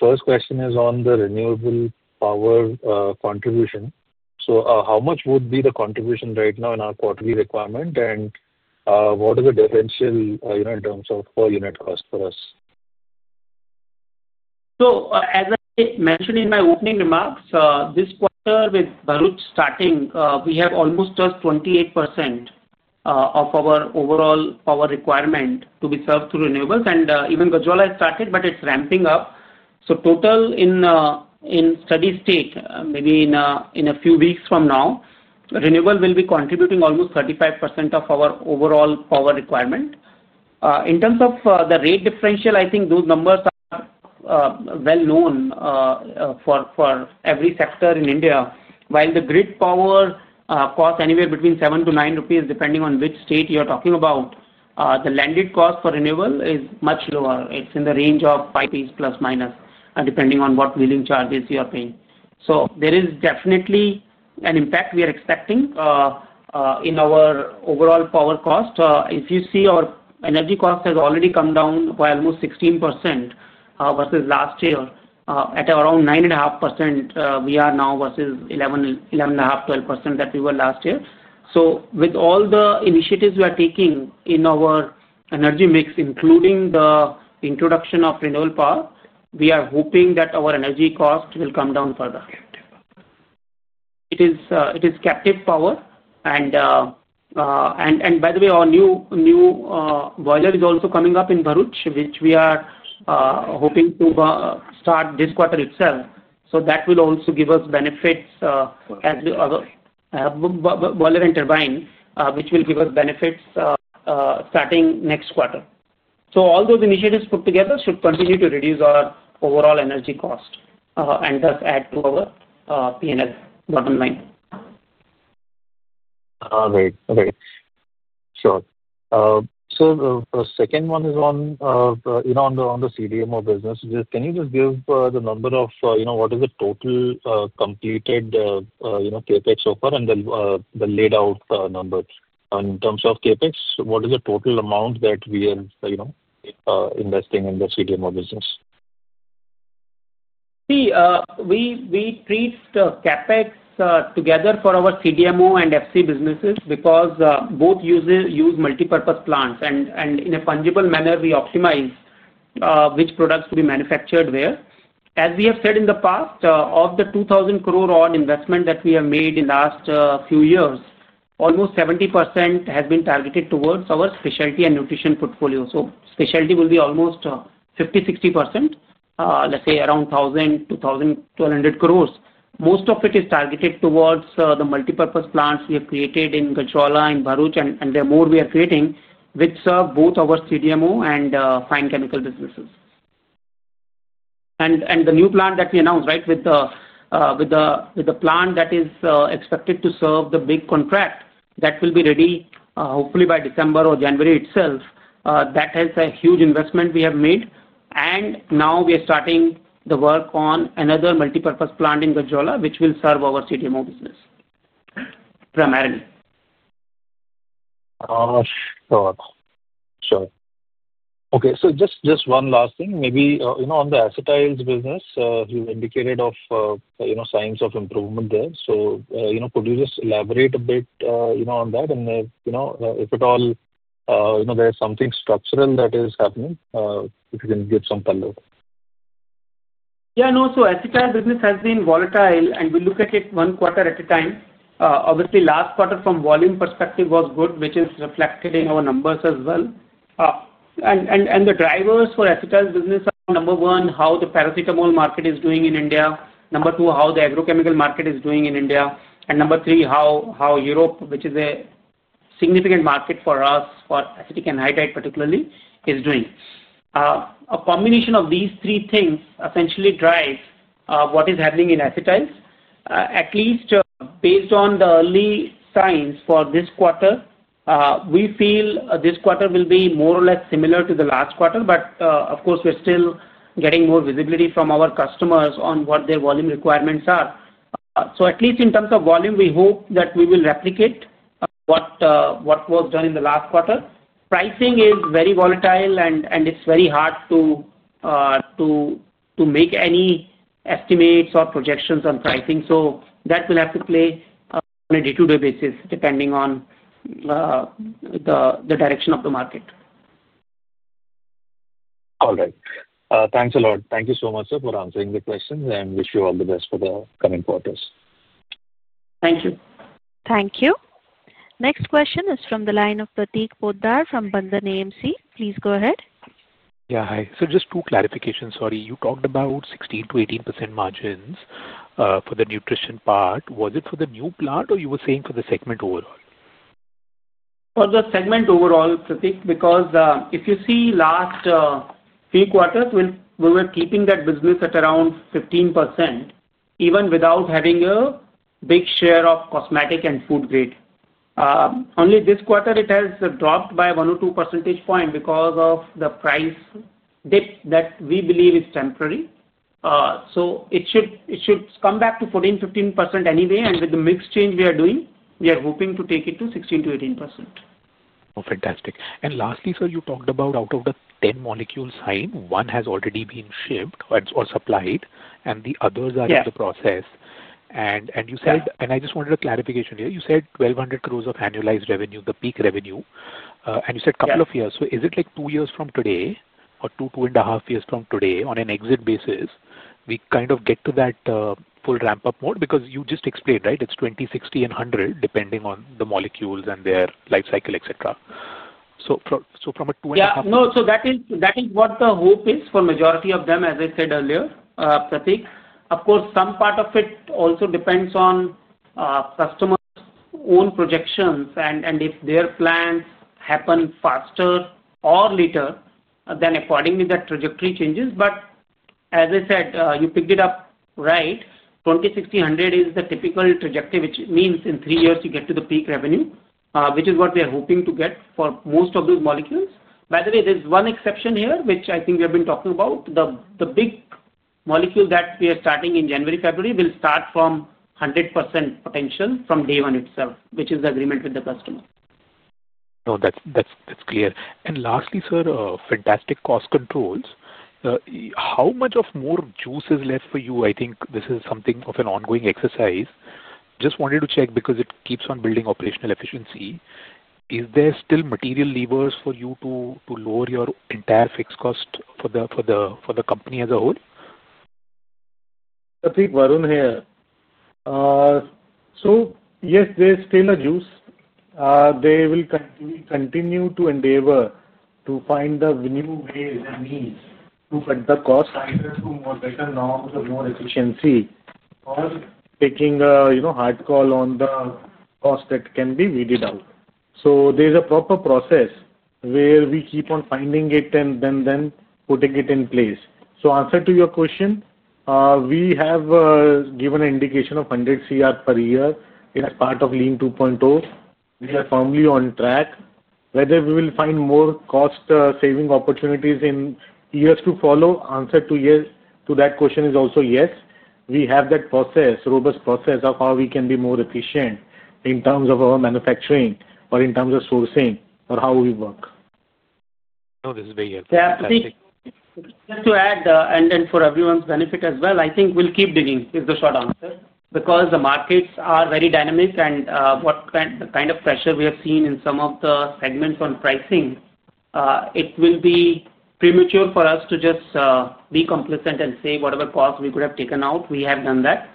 first question is on the renewable power contribution. How much would be the contribution right now in our quarterly requirement, and what is the differential in terms of per unit cost for us? As I mentioned in my opening remarks, this quarter with Bharuch starting, we have almost just 28% of our overall power requirement to be served through renewables. Even Gujarat has started, but it's ramping up. In total, in steady state, maybe in a few weeks from now, renewable will be contributing almost 35% of our overall power requirement. In terms of the rate differential, I think those numbers are well known for every sector in India. While the grid power costs anywhere between 7-9 rupees, depending on which state you're talking about, the landed cost for renewable is much lower. It's in the range of ±5, depending on what billing charges you are paying. There is definitely an impact we are expecting in our overall power cost. If you see, our energy cost has already come down by almost 16% versus last year. At around 9.5%, we are now versus 11.5%, 12% that we were last year. With all the initiatives we are taking in our energy mix, including the introduction of renewable power, we are hoping that our energy cost will come down further. Captive power. It is captive power. By the way, our new boiler is also coming up in Bharuch, which we are hoping to start this quarter itself. That will also give us benefits as the boiler and turbine, which will give us benefits starting next quarter. All those initiatives put together should continue to reduce our overall energy cost and thus add to our P&L bottom line. Great. Okay. Sure. The second one is on the CDMO business. Can you just give the number of what is the total completed CapEx so far and the laid-out number? In terms of CapEx, what is the total amount that we are investing in the CDMO business? See, we treat the CapEx together for our CDMO and fine chemical businesses because both use multipurpose plants. In a fungible manner, we optimize which products to be manufactured where. As we have said in the past, of the 2,000 crore odd investment that we have made in the last few years, almost 70% has been targeted towards our specialty and nutrition portfolio. Specialty will be almost 50%-60%, let's say around 1,000 crores-1,200 crores. Most of it is targeted towards the multipurpose plants we have created in Gujarat and Bharuch, and there are more we are creating which serve both our CDMO and fine chemical businesses. The new plant that we announced, with the plant that is expected to serve the big contract that will be ready hopefully by December or January itself, has a huge investment we have made. Now we are starting the work on another multipurpose plant in Gujarat, which will serve our CDMO business primarily. Sure. Okay. Just one last thing. Maybe you know on the acetyl business, you indicated of you know signs of improvement there. Could you just elaborate a bit you know on that? If at all you know there's something structural that is happening, if you can give some follow-up. Yeah, no. Acetyl business has been volatile, and we look at it one quarter at a time. Obviously, last quarter from a volume perspective was good, which is reflected in our numbers as well. The drivers for acetyl business are, number one, how the paracetamol market is doing in India. Number two, how the agrochemical market is doing in India. Number three, how Europe, which is a significant market for us, for acetic anhydride particularly, is doing. A combination of these three things essentially drives what is happening in acetyl. At least based on the early signs for this quarter, we feel this quarter will be more or less similar to the last quarter. We're still getting more visibility from our customers on what their volume requirements are. At least in terms of volume, we hope that we will replicate what was done in the last quarter. Pricing is very volatile, and it's very hard to make any estimates or projections on pricing. That will have to play on a day-to-day basis, depending on the direction of the market. All right. Thanks a lot. Thank you so much, sir, for answering the questions, and wish you all the best for the coming quarters. Thank you. Thank you. Next question is from the line of Prateek Poddar from Bandhan AMC. Please go ahead. Yeah, hi. Just two clarifications, sorry. You talked about 16%-18% margins for the nutrition part. Was it for the new plant or you were saying for the segment overall? For the segment overall, Prateek, because if you see last few quarters, we were keeping that business at around 15%, even without having a big share of cosmetic and food grade. Only this quarter, it has dropped by one or two percentage points because of the price dip that we believe is temporary. It should come back to 14-15% anyway. With the mix change we are doing, we are hoping to take it to 16-18%. Oh, fantastic. Lastly, sir, you talked about out of the 10 molecules signed, one has already been shipped or supplied, and the others are in the process. Yeah. You said, and I just wanted a clarification here, you said 1,200 crore of annualized revenue, the peak revenue, and you said a couple of years. Is it like two years from today or two, two and a half years from today on an exit basis, we kind of get to that full ramp-up mode? You just explained, right, it's 20, 60, and 100, depending on the molecules and their life cycle, etc. From a two and a half years. Yeah. No, that is what the hope is for the majority of them, as I said earlier, Prateek. Of course, some part of it also depends on customers' own projections. If their plans happen faster or later, then accordingly, that trajectory changes. As I said, you picked it up right. 20, 60, 100 is the typical trajectory, which means in three years, you get to the peak revenue, which is what we are hoping to get for most of those molecules. By the way, there's one exception here, which I think we have been talking about. The big molecule that we are starting in January, February will start from 100% potential from day one itself, which is the agreement with the customer. No, that's clear. Lastly, sir, fantastic cost controls. How much more juice is left for you? I think this is something of an ongoing exercise. Just wanted to check because it keeps on building operational efficiency. Is there still material levers for you to lower your entire fixed cost for the company as a whole? I think Varun here. Yes, there's still a juice. They will continue to endeavor to find new ways and means to cut the cost, either to more better norms or more efficiency or taking a hard call on the cost that can be weeded out. There's a proper process where we keep on finding it and then putting it in place. Answer to your question, we have given an indication of 100 crore per year. It's part of Lean 2.0. We are firmly on track. Whether we will find more cost-saving opportunities in years to follow, answer to yes to that question is also yes. We have that process, robust process of how we can be more efficient in terms of our manufacturing or in terms of sourcing or how we work. No, this is very helpful. Yeah, just to add, and then for everyone's benefit as well, I think we'll keep digging is the short answer because the markets are very dynamic. What kind of pressure we have seen in some of the segments on pricing, it will be premature for us to just be complacent and say whatever cost we could have taken out. We have done that.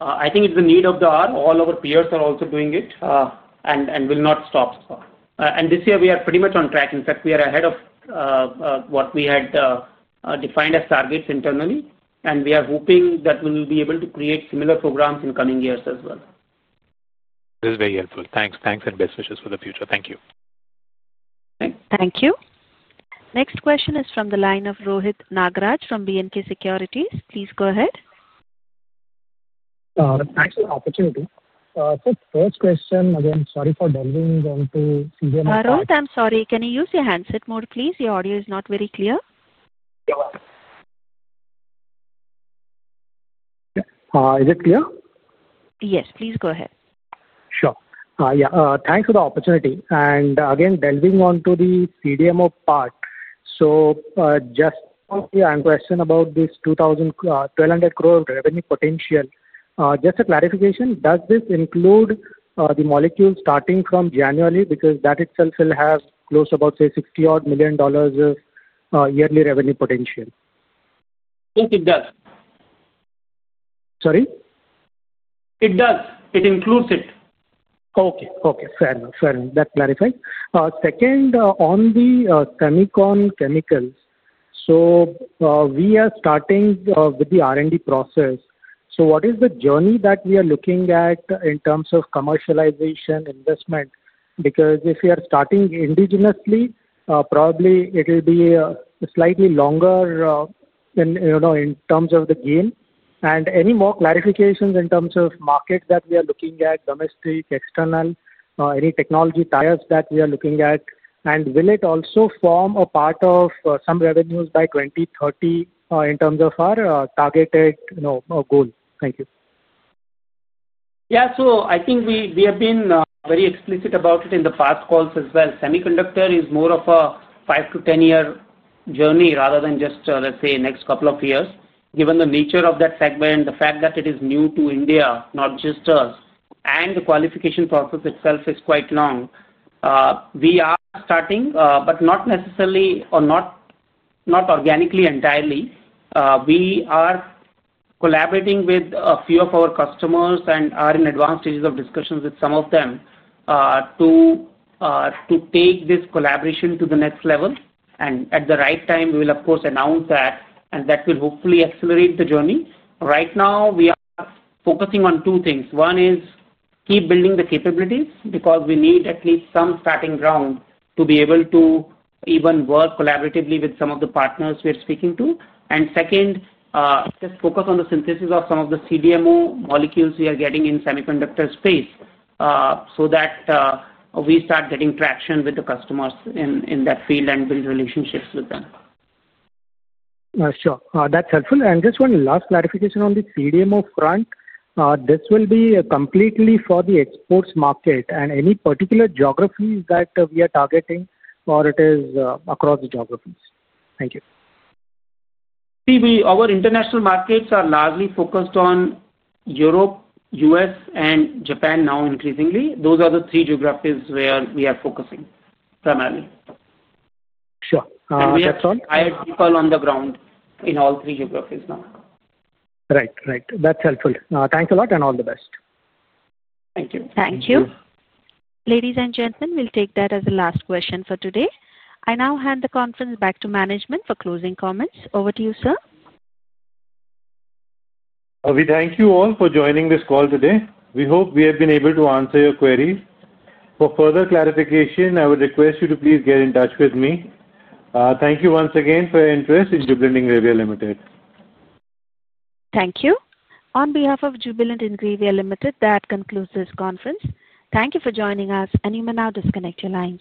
I think it's the need of the hour. All our peers are also doing it and will not stop. This year, we are pretty much on track. In fact, we are ahead of what we had defined as targets internally. We are hoping that we will be able to create similar programs in coming years as well. This is very helpful. Thanks. Thanks and best wishes for the future. Thank you. Thanks. Thank you. Next question is from the line of Rohit Nagraj from B&K Securities. Please go ahead. Thanks for the opportunity. First question, again, sorry for delving into CDMO. Varun, I'm sorry. Can you use your handset mode, please? Your audio is not very clear. Is it clear? Yes, please go ahead. Sure. Thanks for the opportunity. Delving onto the CDMO part, just a question about this 2,200 crore revenue potential. Just a clarification, does this include the molecule starting from January? Because that itself will have close to about, say, $60 million of yearly revenue potential. Yes, it does. Sorry? It does. It includes it. Okay. Fair enough. That clarifies. Second, on the semicon chemicals, we are starting with the R&D process. What is the journey that we are looking at in terms of commercialization investment? If we are starting indigenously, probably it will be slightly longer in terms of the gain. Any more clarifications in terms of markets that we are looking at, domestic, external, any technology tiers that we are looking at? Will it also form a part of some revenues by 2030 in terms of our targeted goal? Thank you. Yeah. I think we have been very explicit about it in the past calls as well. Semiconductor is more of a 5-10 year journey rather than just, let's say, next couple of years, given the nature of that segment, the fact that it is new to India, not just us, and the qualification process itself is quite long. We are starting, but not necessarily or not organically entirely. We are collaborating with a few of our customers and are in advanced stages of discussions with some of them to take this collaboration to the next level. At the right time, we will, of course, announce that. That will hopefully accelerate the journey. Right now, we are focusing on two things. One is keep building the capabilities because we need at least some starting ground to be able to even work collaboratively with some of the partners we are speaking to. Second, just focus on the synthesis of some of the CDMO molecules. are getting in semiconductor space, so that we start getting traction with the customers in that field and build relationships with them. Sure, that's helpful. Just one last clarification on the CDMO front. This will be completely for the exports market. Any particular geographies that we are targeting, or is it across the geographies? Thank you. See, our international markets are largely focused on Europe, U.S., and Japan now increasingly. Those are the three geographies where we are focusing primarily. Sure, that's all. We have hired people on the ground in all three geographies now. Right. Right. That's helpful. Thanks a lot and all the best. Thank you. Thank you. Ladies and gentlemen, we'll take that as the last question for today. I now hand the conference back to management for closing comments. Over to you, sir. We thank you all for joining this call today. We hope we have been able to answer your queries. For further clarification, I would request you to please get in touch with me. Thank you once again for your interest in Jubilant Ingrevia Limited. Thank you. On behalf of Jubilant Ingrevia Limited, that concludes this conference. Thank you for joining us. You may now disconnect your lines.